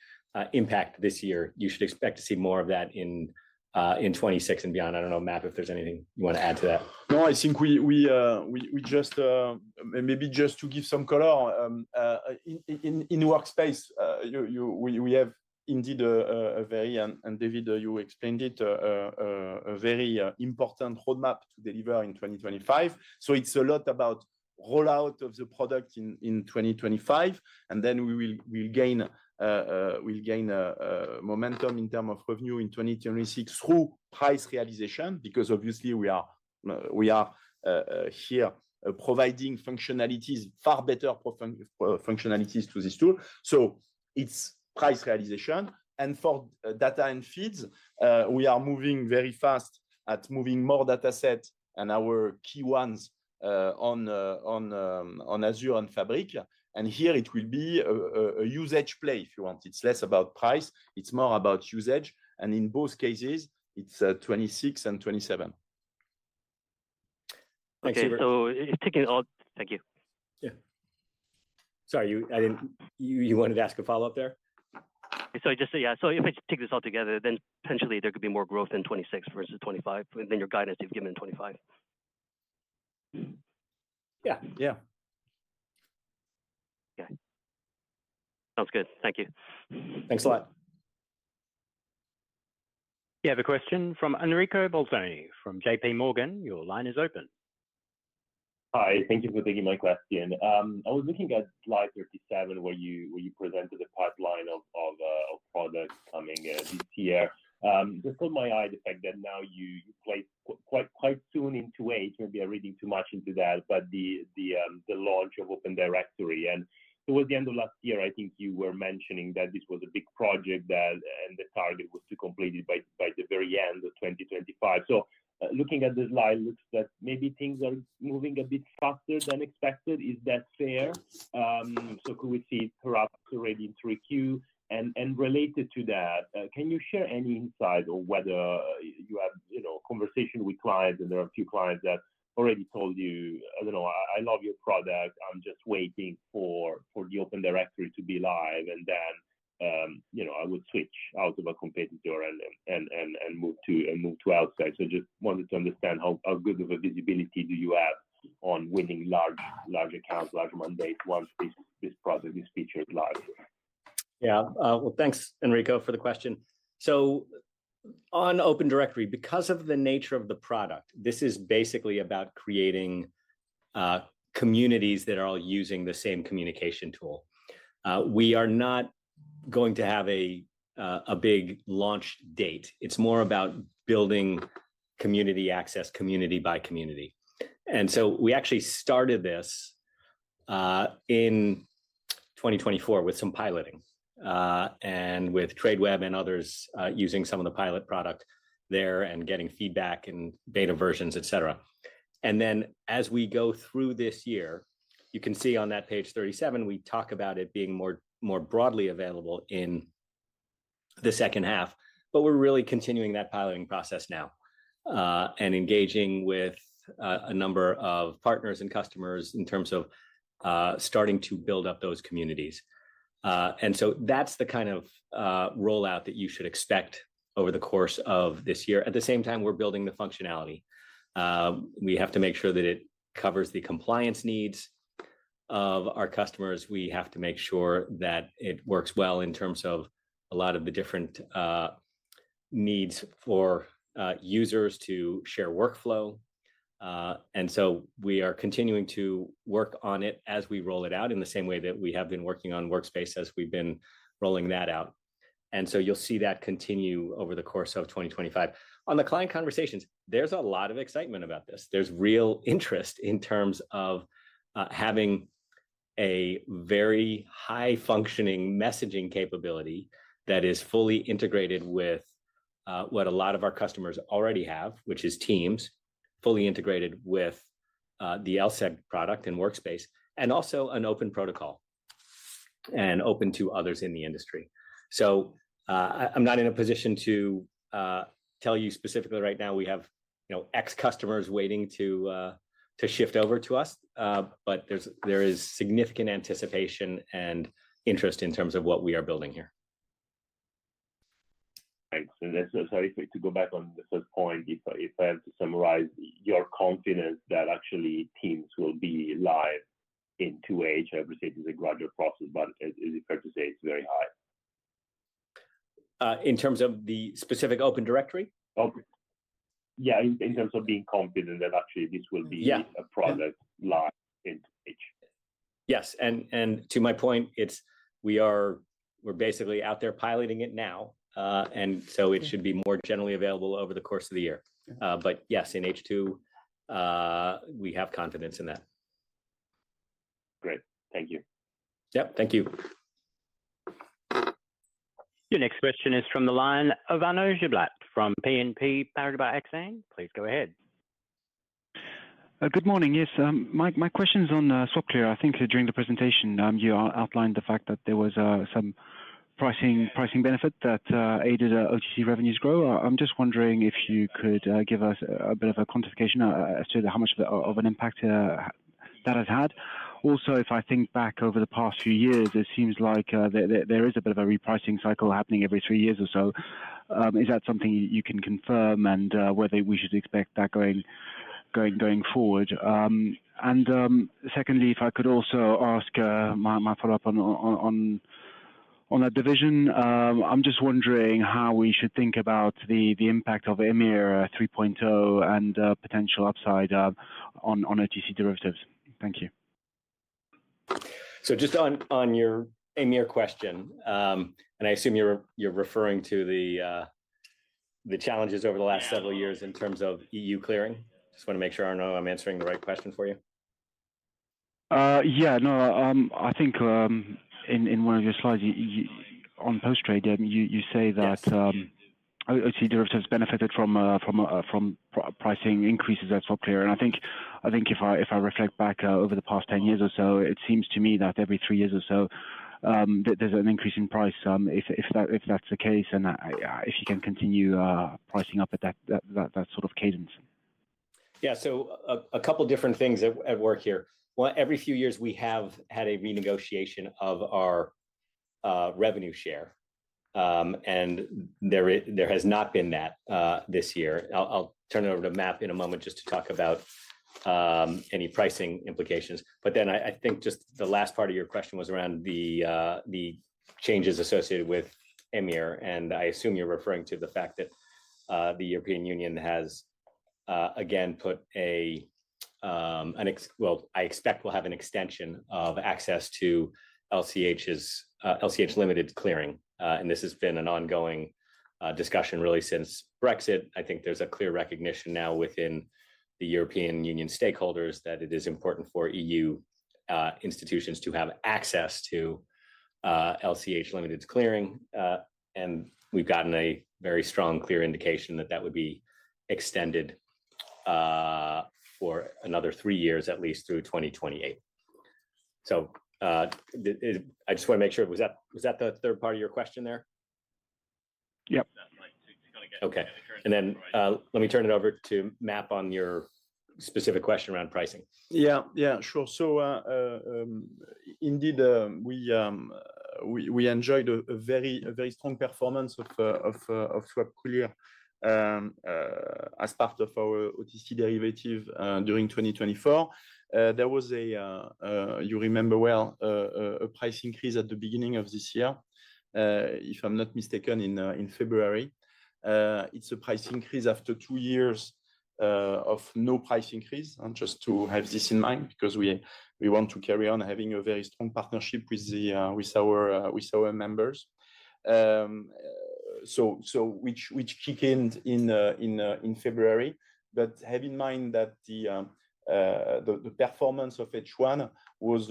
impact this year. You should expect to see more of that in 2026 and beyond. I don't know, MAP, if there's anything you want to add to that. No, I think we just and maybe just to give some color in Workspace, we have indeed a very and David, you explained it a very important roadmap to deliver in 2025. So it's a lot about rollout of the product in 2025, and then we will gain momentum in terms of revenue in 2026 through price realization because, obviously, we are here providing functionalities, far better functionalities to this tool. So it's price realization. And for data and feeds, we are moving very fast at moving more datasets and our key ones on Azure and Fabric. And here, it will be a usage play, if you want. It's less about price. It's more about usage. And in both cases, it's 2026 and 2027. Thank you. Thank you. Sorry, you wanted to ask a follow-up there? Sorry, just to, yeah. So if I take this all together, then potentially there could be more growth in 2026 versus 2025, and then your guidance you've given in 2025. Yeah, yeah. Okay. Sounds good. Thank you. Thanks a lot. We have a question from Enrico Bolzoni from J.P. Morgan. Your line is open. Hi. Thank you for taking my question. I was looking at slide 37 where you presented a pipeline of products coming this year. Just caught my eye the fact that now you placed quite soon into, maybe I'm reading too much into that, but the launch of Open Directory. And towards the end of last year, I think you were mentioning that this was a big project and the target was to complete it by the very end of 2025. So looking at the slide, it looks that maybe things are moving a bit faster than expected. Is that fair? So could we see perhaps already in 3Q? And related to that, can you share any insight on whether you have conversation with clients? And there are a few clients that already told you, "I love your product. I'm just waiting for the Open Directory to be live, and then I would switch out of a competitor and move to Workspace." So just wanted to understand how good of a visibility do you have on winning large accounts, large mandates once this project is featured live? Yeah. Well, thanks, Enrico, for the question. So on Open Directory, because of the nature of the product, this is basically about creating communities that are all using the same communication tool. We are not going to have a big launch date. It's more about building community access, community by community. And so we actually started this in 2024 with some piloting and with Tradeweb and others using some of the pilot product there and getting feedback and beta versions, etc. Then as we go through this year, you can see on that page 37, we talk about it being more broadly available in the second half, but we're really continuing that piloting process now and engaging with a number of partners and customers in terms of starting to build up those communities. So that's the kind of rollout that you should expect over the course of this year. At the same time, we're building the functionality. We have to make sure that it covers the compliance needs of our customers. We have to make sure that it works well in terms of a lot of the different needs for users to share workflow. So we are continuing to work on it as we roll it out in the same way that we have been working on Workspace as we've been rolling that out. You'll see that continue over the course of 2025. On the client conversations, there's a lot of excitement about this. There's real interest in terms of having a very high-functioning messaging capability that is fully integrated with what a lot of our customers already have, which is Teams, fully integrated with the LSEG product and Workspace, and also an open protocol and open to others in the industry. I'm not in a position to tell you specifically right now we have X customers waiting to shift over to us, but there is significant anticipation and interest in terms of what we are building here. Thanks. Sorry, to go back on the first point, if I have to summarize your confidence that actually Teams will be live in 2H, I appreciate it's a gradual process, but is it fair to say it's very high? In terms of the specific Open Directory? Yeah, in terms of being confident that actually this will be a product live in H2. Yes. And to my point, we're basically out there piloting it now, and so it should be more generally available over the course of the year. But yes, in H2, we have confidence in that. Great. Thank you. Yep. Thank you. Your next question is from the line of Arnaud Giblat from BNP Paribas Exane. Please go ahead. Good morning. Yes. My question is on SwapClear. I think during the presentation, you outlined the fact that there was some pricing benefit that aided OTC revenues grow. I'm just wondering if you could give us a bit of a quantification as to how much of an impact that has had. Also, if I think back over the past few years, it seems like there is a bit of a repricing cycle happening every three years or so. Is that something you can confirm and whether we should expect that going forward? And secondly, if I could also ask my follow-up on that division, I'm just wondering how we should think about the impact of EMIR 3.0 and potential upside on OTC derivatives. Thank you. So just on your EMIR question, and I assume you're referring to the challenges over the last several years in terms of EU clearing. Just want to make sure I'm answering the right question for you. Yeah. No, I think in one of your slides on Post Trade, you say that OTC derivatives benefited from pricing increases at SwapClear. I think if I reflect back over the past 10 years or so, it seems to me that every three years or so, there's an increase in price if that's the case and if you can continue pricing up at that sort of cadence. Yeah. A couple of different things at work here. Every few years, we have had a renegotiation of our revenue share, and there has not been that this year. I'll turn it over to MAP in a moment just to talk about any pricing implications. Then I think just the last part of your question was around the changes associated with EMIR, and I assume you're referring to the fact that the European Union has again put a, well, I expect we'll have an extension of access to LCH's LCH Limited clearing. This has been an ongoing discussion really since Brexit. I think there's a clear recognition now within the European Union stakeholders that it is important for EU institutions to have access to LCH Limited clearing. And we've gotten a very strong clear indication that that would be extended for another three years, at least through 2028. So I just want to make sure, was that the third part of your question there? Yep. Okay. And then let me turn it over to MAP on your specific question around pricing. Yeah. Yeah. Sure. So indeed, we enjoyed a very strong performance of SwapClear as part of our OTC derivative during 2024. There was a, you remember well, a price increase at the beginning of this year, if I'm not mistaken, in February. It's a price increase after two years of no price increase. Just to have this in mind because we want to carry on having a very strong partnership with our members. So which kicked in in February. But have in mind that the performance of H1 was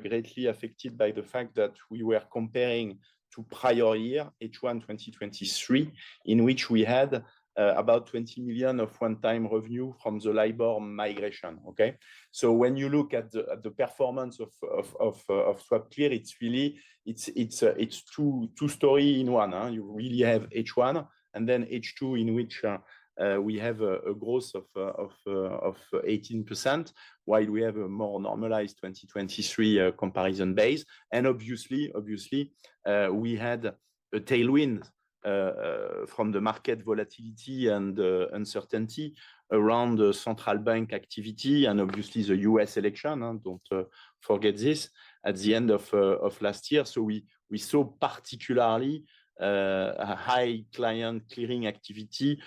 greatly affected by the fact that we were comparing to prior year, H1 2023, in which we had about 20 million of one-time revenue from the LIBOR migration. Okay? So when you look at the performance of SwapClear, it's really, it's two stories in one. You really have H1 and then H2, in which we have a growth of 18%, while we have a more normalized 2023 comparison base. And obviously, we had a tailwind from the market volatility and uncertainty around central bank activity and obviously the U.S. election. Don't forget this at the end of last year. So we saw particularly high client clearing activity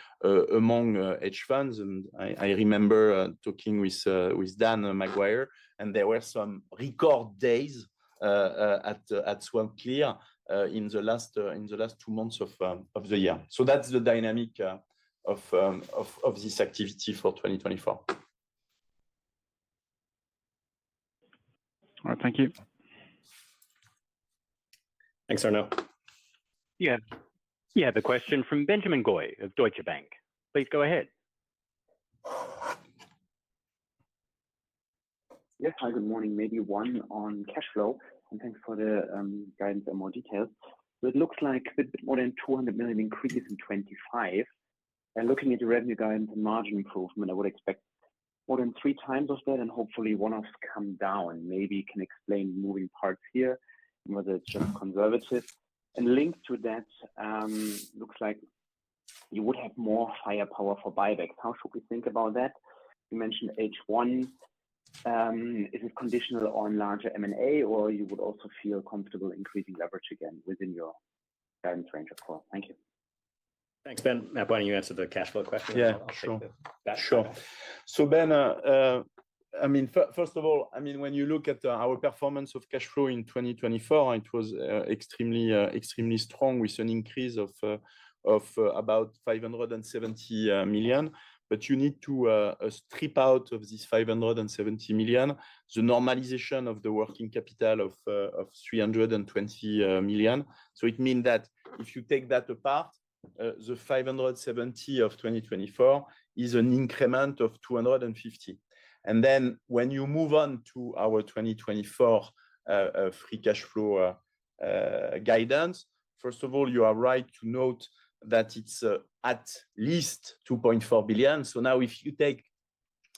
among hedge funds. And I remember talking with Dan Maguire, and there were some record days at SwapClear in the last two months of the year. So that's the dynamic of this activity for 2024. All right. Thank you. Thanks, Arnaud. Yeah. We have a question from Benjamin Goy of Deutsche Bank. Please go ahead. Yes. Hi. Good morning. Maybe one on cash flow. And thanks for the guidance and more details. So it looks like a bit more than 200 million increase in 2025. And looking at the revenue guidance and margin improvement, I would expect more than three times of that, and hopefully one-offs come down. Maybe you can explain moving parts here and whether it's just conservative. And linked to that, looks like you would have more firepower for buybacks. How should we think about that? You mentioned H1. Is it conditional on larger M&A, or you would also feel comfortable increasing leverage again within your guidance range, of course? Thank you. Thanks, Ben. MAP, why don't you answer the cash flow question? Yeah. Sure. Sure. So Ben, I mean, first of all, I mean, when you look at our performance of cash flow in 2024, it was extremely strong with an increase of about 570 million. But you need to strip out of this 570 million the normalization of the working capital of 320 million. So it means that if you take that apart, the 570 million of 2024 is an increment of 250 million. And then when you move on to our 2024 free cash flow guidance, first of all, you are right to note that it's at least 2.4 billion. So now if you take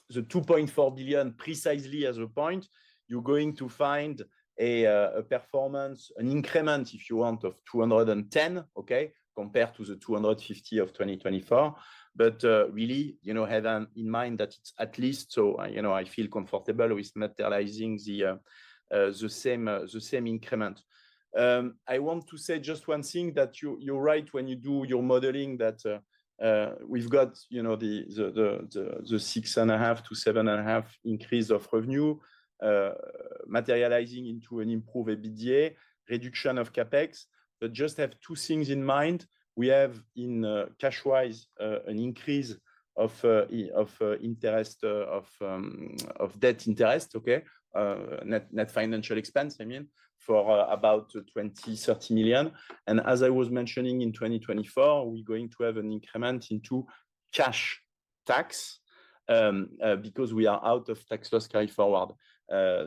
the 2.4 billion precisely as a point, you're going to find a performance, an increment, if you want, of 210 million, okay, compared to the 250 million of 2024. But really, have in mind that it's at least so I feel comfortable with materializing the same increment. I want to say just one thing that you're right when you do your modeling that we've got the 6.5-7.5 increase of revenue materializing into an improved EBITDA, reduction of CapEx. But just have two things in mind. We have, cash-wise, an increase of interest, of debt interest, okay, net financial expense, I mean, for about 20 million-30 million. And as I was mentioning, in 2024, we're going to have an increment into cash tax because we are out of tax loss carry forward.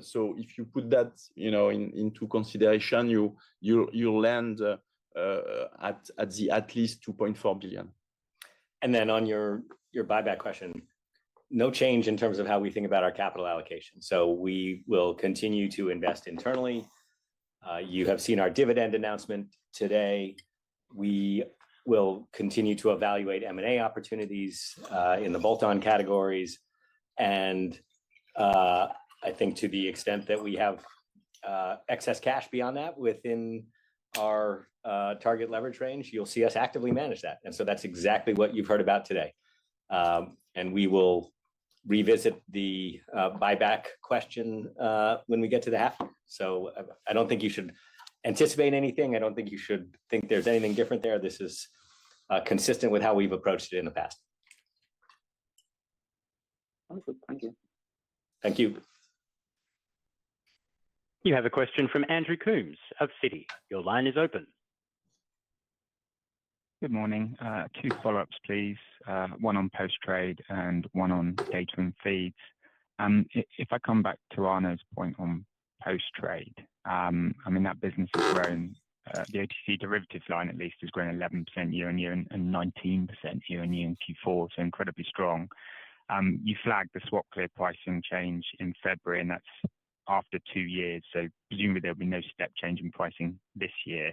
So if you put that into consideration, you'll land at least 2.4 billion. And then on your buyback question, no change in terms of how we think about our capital allocation. So we will continue to invest internally. You have seen our dividend announcement today. We will continue to evaluate M&A opportunities in the bolt-on categories, and I think to the extent that we have excess cash beyond that within our target leverage range, you'll see us actively manage that, and so that's exactly what you've heard about today, and we will revisit the buyback question when we get to the half, so I don't think you should anticipate anything. I don't think you should think there's anything different there. This is consistent with how we've approached it in the past. Thank you. Thank you. You have a question from Andrew Coombs of Citi. Your line is open. Good morning. Two follow-ups, please. One on Post Trade and one on data and feeds. If I come back to Arnaud's point on Post Trade, I mean, that business is growing. The OTC derivatives line, at least, is growing 11% year on year and 19% year on year in Q4, so incredibly strong. You flagged the SwapClear pricing change in February, and that's after two years. So presumably, there'll be no step change in pricing this year.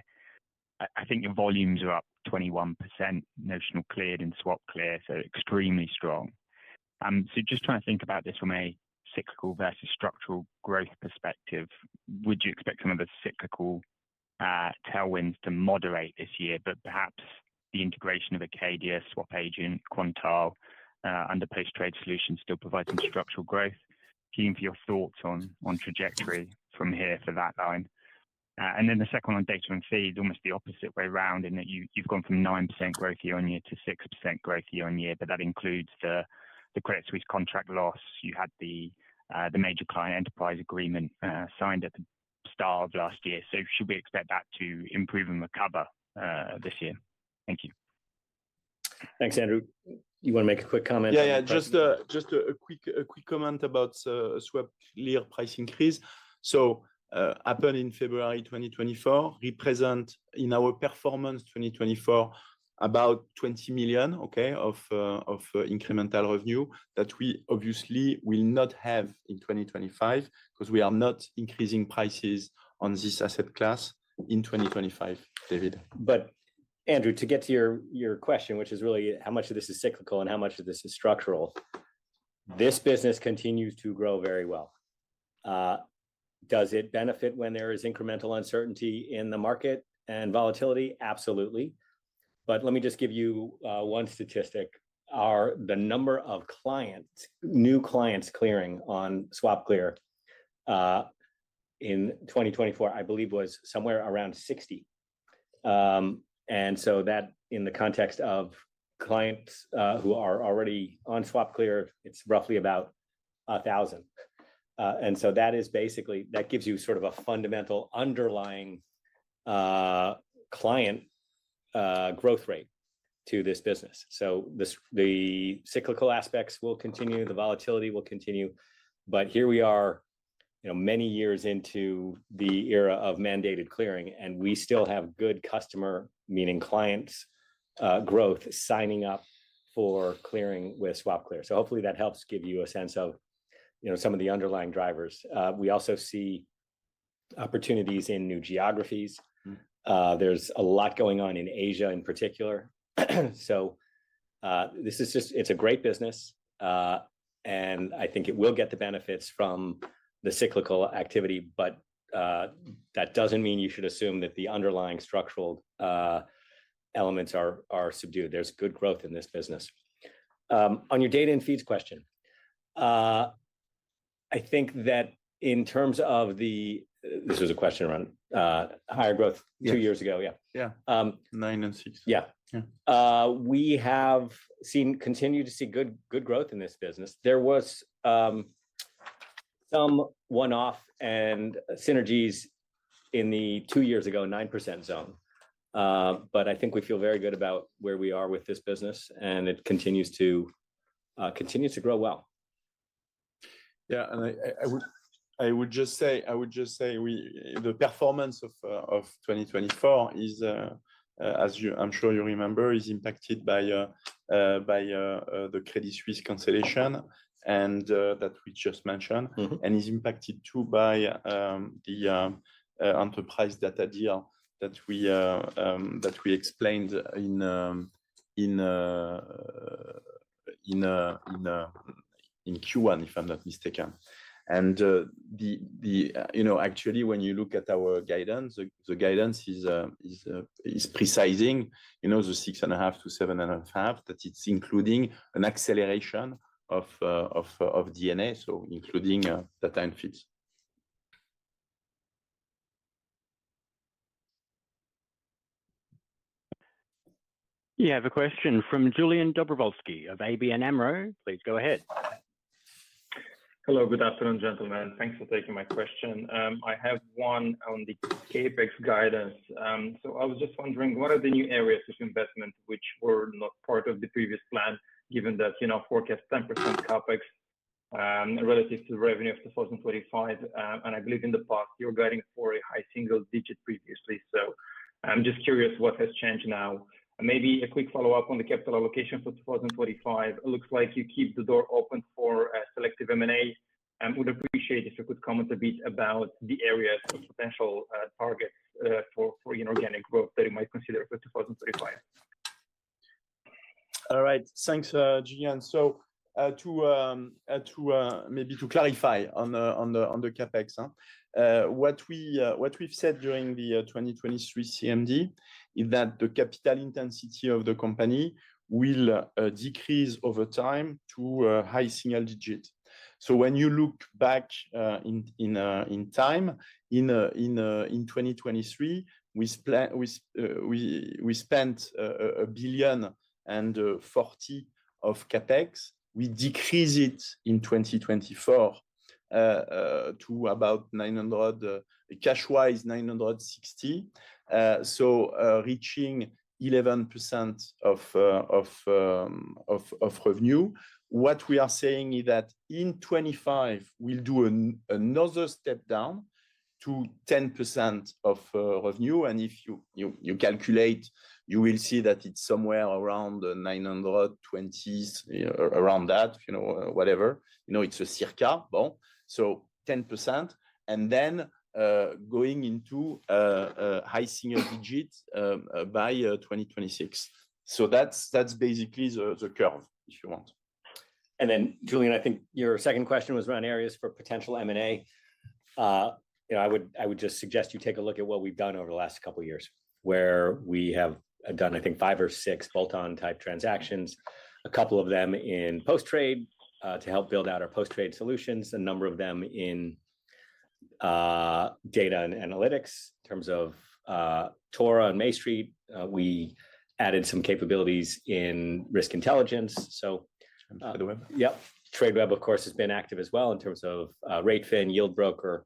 I think your volumes are up 21% notional cleared in SwapClear, so extremely strong. So just trying to think about this from a cyclical versus structural growth perspective, would you expect some of the cyclical tailwinds to moderate this year, but perhaps the integration of Acadia, SwapAgent, Quantile under Post Trade solutions still providing structural growth. Keen for your thoughts on trajectory from here for that line. And then the second one, Data and Analytics is almost the opposite way around in that you've gone from 9% growth year on year to 6% growth year on year, but that includes the Credit Suisse contract loss. You had the major client enterprise agreement signed at the start of last year. So should we expect that to improve and recover this year? Thank you. Thanks, Andrew. You want to make a quick comment? Yeah, yeah. Just a quick comment about SwapClear price increase. So happened in February 2024, represent in our performance 2024 about 20 million, okay, of incremental revenue that we obviously will not have in 2025 because we are not increasing prices on this asset class in 2025, David. But Andrew, to get to your question, which is really how much of this is cyclical and how much of this is structural, this business continues to grow very well. Does it benefit when there is incremental uncertainty in the market and volatility? Absolutely. But let me just give you one statistic. The number of new clients clearing on SwapClear in 2024, I believe, was somewhere around 60, and so that in the context of clients who are already on SwapClear, it's roughly about 1,000, and so that is basically that gives you sort of a fundamental underlying client growth rate to this business, so the cyclical aspects will continue. The volatility will continue, but here we are many years into the era of mandated clearing, and we still have good customer, meaning clients, growth signing up for clearing with SwapClear, so hopefully, that helps give you a sense of some of the underlying drivers. We also see opportunities in new geographies. There's a lot going on in Asia in particular, so this is just, it's a great business, and I think it will get the benefits from the cyclical activity. But that doesn't mean you should assume that the underlying structural elements are subdued. There's good growth in this business. On your data and feeds question, I think that in terms of this, this was a question around higher growth two years ago. Yeah. Yeah. Nine and six. Yeah. We have continued to see good growth in this business. There was some one-off and synergies in the two years ago, 9% zone. But I think we feel very good about where we are with this business, and it continues to grow well. Yeah. And I would just say the performance of 2024 is, as I'm sure you remember, impacted by the Credit Suisse cancellation that we just mentioned. And it's impacted too by the enterprise data deal that we explained in Q1, if I'm not mistaken. Actually, when you look at our guidance, the guidance is specifying the 6.5%-7.5%, that it's including an acceleration of D&A, so including data and feeds. You have a question from Iulian Dobrovolschi of ABN AMRO. Please go ahead. Hello. Good afternoon, gentlemen. Thanks for taking my question. I have one on the CapEx guidance. I was just wondering, what are the new areas of investment which were not part of the previous plan, given that you now forecast 10% CapEx relative to revenue of 2025? I believe in the past, you were guiding for a high single-digit% previously. I'm just curious what has changed now. Maybe a quick follow-up on the capital allocation for 2025. It looks like you keep the door open for selective M&A. I would appreciate if you could comment a bit about the areas of potential targets for inorganic growth that you might consider for 2025. All right. Thanks, Iulian. So maybe to clarify on the CapEx, what we've said during the 2023 CMD is that the capital intensity of the company will decrease over time to high single-digit. So when you look back in time, in 2023, we spent 1.04 billion of CapEx. We decreased it in 2024 to about cash-wise, GBP 960 million, so reaching 11% of revenue. What we are saying is that in 2025, we'll do another step down to 10% of revenue. And if you calculate, you will see that it's somewhere around 920 million, around that, whatever. It's circa GBP 1bn. So 10%, and then going into high single-digit by 2026. So that's basically the curve, if you want. And then, Julian, I think your second question was around areas for potential M&A. I would just suggest you take a look at what we've done over the last couple of years, where we have done, I think, five or six bolt-on type transactions, a couple of them in Post Trade to help build out our Post Trade solutions, a number of them in data and analytics in terms of Tora and MayStreet. We added some capabilities in Risk Intelligence. So Tradeweb. Yep. Tradeweb, of course, has been active as well in terms of r8fin, Yieldbroker,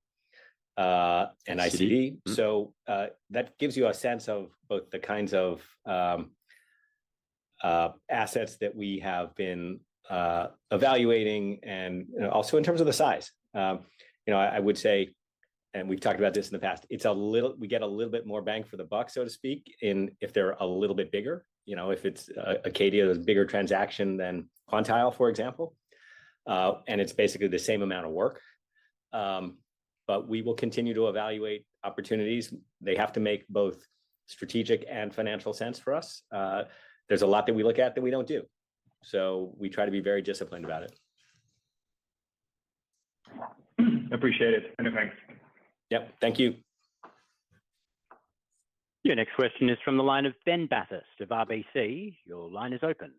and ICD. So that gives you a sense of both the kinds of assets that we have been evaluating and also in terms of the size. I would say, and we've talked about this in the past, we get a little bit more bang for the buck, so to speak, if they're a little bit bigger. If it's Acadia, there's a bigger transaction than Quantile, for example. And it's basically the same amount of work. But we will continue to evaluate opportunities. They have to make both strategic and financial sense for us. There's a lot that we look at that we don't do. So we try to be very disciplined about it. Appreciate it. Thanks. Yep. Thank you. Your next question is from the line of Ben Bathurst of RBC. Your line is open.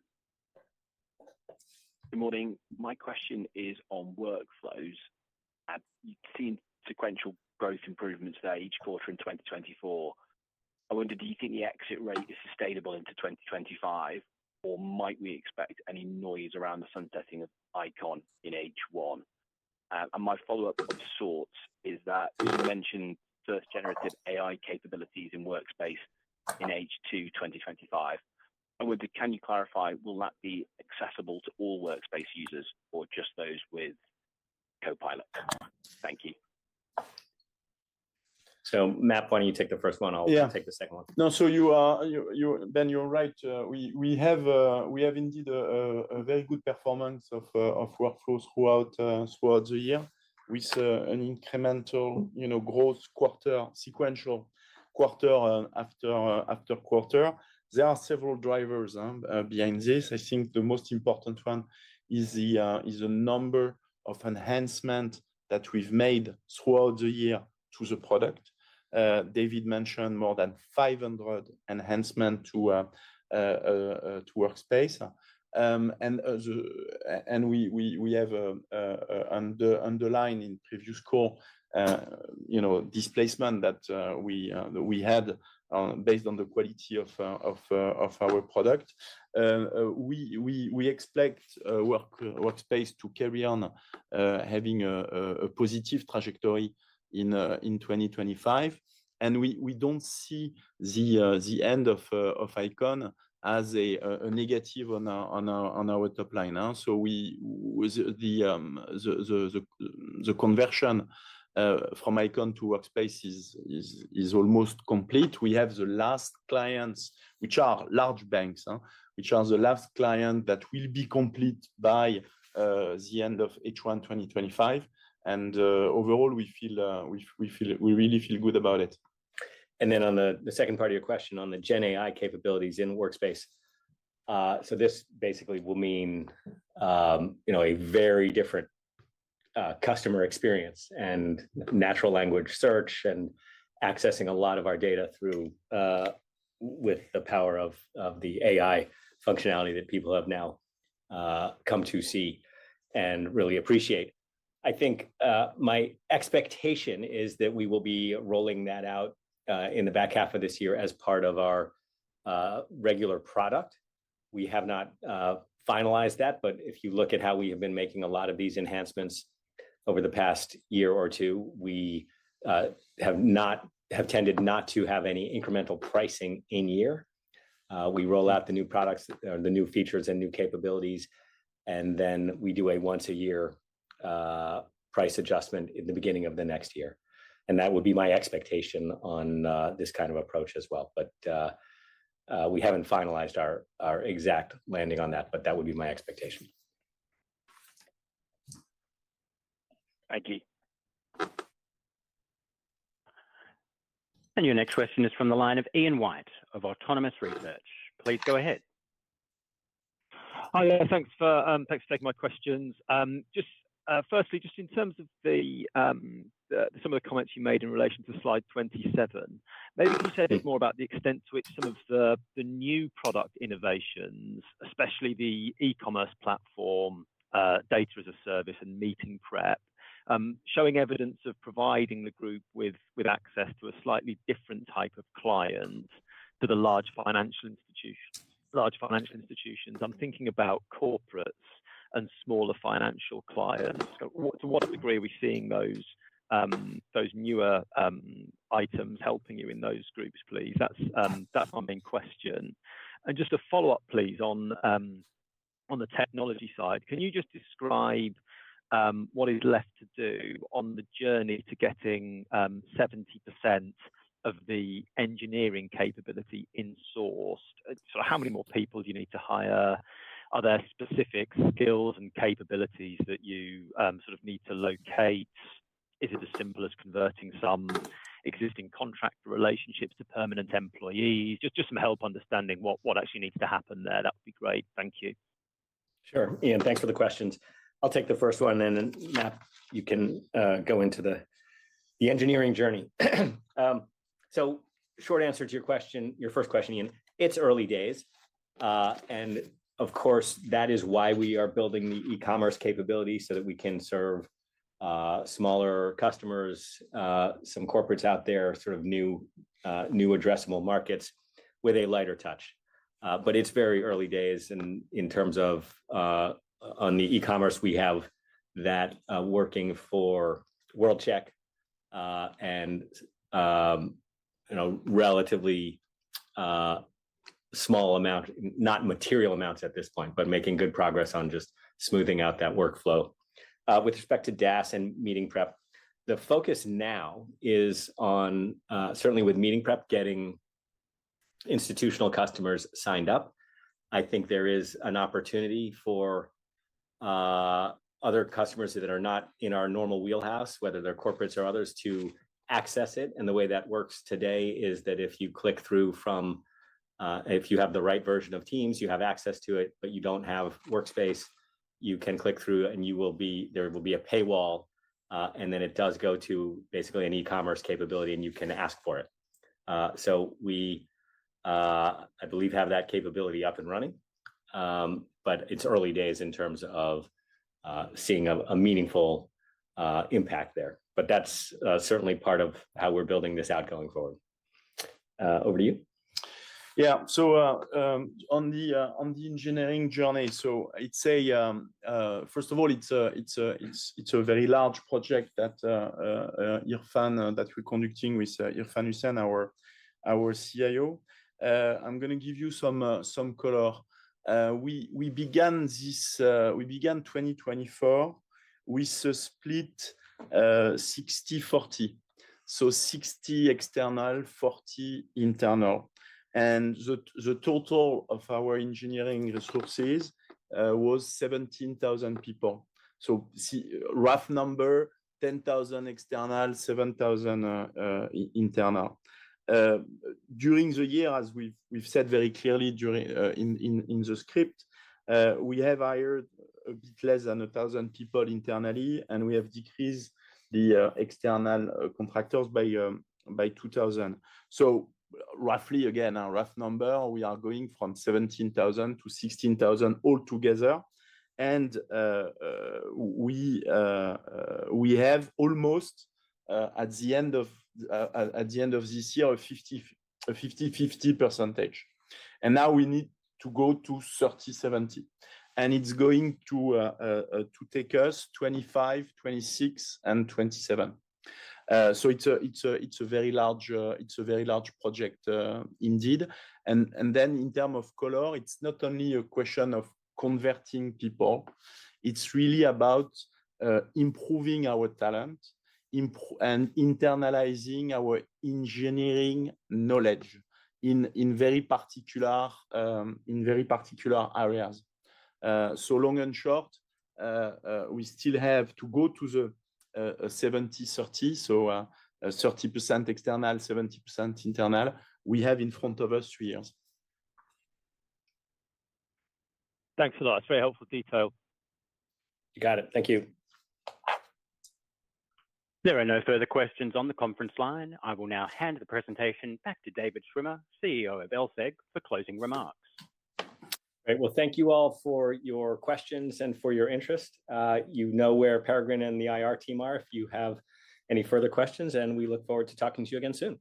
Good morning. My question is on workflows. You've seen sequential growth improvements there each quarter in 2024. I wonder, do you think the exit rate is sustainable into 2025, or might we expect any noise around the sunsetting of Eikon in H1? And my follow-up of sorts is that you mentioned first generative AI capabilities in Workspace in H2 2025. I wonder, can you clarify, will that be accessible to all Workspace users or just those with Copilot? Thank you. So MAP, why don't you take the first one? I'll take the second one. No, so Ben, you're right. We have indeed a very good performance of workflows throughout the year with an incremental growth quarter, sequential quarter after quarter. There are several drivers behind this. I think the most important one is the number of enhancements that we've made throughout the year to the product. David mentioned more than 500 enhancements to Workspace. We have underlined in previous calls the displacement that we had based on the quality of our product. We expect Workspace to carry on having a positive trajectory in 2025. We don't see the end of Eikon as a negative on our top line. The conversion from Eikon to Workspace is almost complete. We have the last clients, which are large banks, which are the last clients that will be complete by the end of H1 2025. Overall, we really feel good about it. On the second part of your question on the GenAI capabilities in Workspace, this basically will mean a very different customer experience and natural language search and accessing a lot of our data with the power of the AI functionality that people have now come to see and really appreciate. I think my expectation is that we will be rolling that out in the back half of this year as part of our regular product. We have not finalized that. But if you look at how we have been making a lot of these enhancements over the past year or two, we have tended not to have any incremental pricing in year. We roll out the new products, the new features, and new capabilities, and then we do a once-a-year price adjustment in the beginning of the next year. And that would be my expectation on this kind of approach as well. But we haven't finalized our exact landing on that, but that would be my expectation. Thank you. And your next question is from the line of Ian White of Autonomous Research. Please go ahead. Hi, thanks for taking my questions. Firstly, just in terms of some of the comments you made in relation to slide 27, maybe could you say a bit more about the extent to which some of the new product innovations, especially the e-commerce platform, data as a service, and meeting prep, showing evidence of providing the group with access to a slightly different type of client to the large financial institutions? I'm thinking about corporates and smaller financial clients. To what degree are we seeing those newer items helping you in those groups, please? That's my main question. And just a follow-up, please, on the technology side. Can you just describe what is left to do on the journey to getting 70% of the engineering capability in-sourced? How many more people do you need to hire? Are there specific skills and capabilities that you sort of need to locate? Is it as simple as converting some existing contract relationships to permanent employees? Just some help understanding what actually needs to happen there. That would be great. Thank you. Sure. Ian, thanks for the questions. I'll take the first one. And then, MAP, you can go into the engineering journey. So short answer to your first question, Ian, it's early days. And of course, that is why we are building the e-commerce capability so that we can serve smaller customers, some corporates out there, sort of new addressable markets with a lighter touch. But it's very early days. And in terms of on the e-commerce, we have that working for World-Check and relatively small amount, not material amounts at this point, but making good progress on just smoothing out that workflow. With respect to DaaS and meeting prep, the focus now is on certainly with meeting prep, getting institutional customers signed up. I think there is an opportunity for other customers that are not in our normal wheelhouse, whether they're corporates or others, to access it. And the way that works today is that if you click through from you have the right version of Teams, you have access to it, but you don't have Workspace, you can click through, and there will be a paywall. And then it does go to basically an e-commerce capability, and you can ask for it. So we, I believe, have that capability up and running. But it's early days in terms of seeing a meaningful impact there. But that's certainly part of how we're building this out going forward. Over to you. Yeah. On the engineering journey, so I'd say, first of all, it's a very large project that we're conducting with Irfan Hussain, our CIO. I'm going to give you some color. We began 2024 with a split 60/40. So 60 external, 40 internal. And the total of our engineering resources was 17,000 people. So rough number, 10,000 external, 7,000 internal. During the year, as we've said very clearly in the script, we have hired a bit less than 1,000 people internally, and we have decreased the external contractors by 2,000. So roughly, again, a rough number, we are going from 17,000 to 16,000 altogether. And we have almost, at the end of this year, a 50/50 percentage. And now we need to go to 30/70. And it's going to take us 2025, 2026, and 2027. So it's a very large project indeed. And then in terms of color, it's not only a question of converting people. It's really about improving our talent and internalizing our engineering knowledge in very particular areas. So long and short, we still have to go to the 70/30, so 30% external, 70% internal. We have in front of us three years. Thanks a lot. That's very helpful detail. You got it. Thank you. There are no further questions on the conference line. I will now hand the presentation back to David Schwimmer, CEO of LSEG, for closing remarks. Great. Well, thank you all for your questions and for your interest. You know where Peregrine and the IR team are if you have any further questions. And we look forward to talking to you again soon.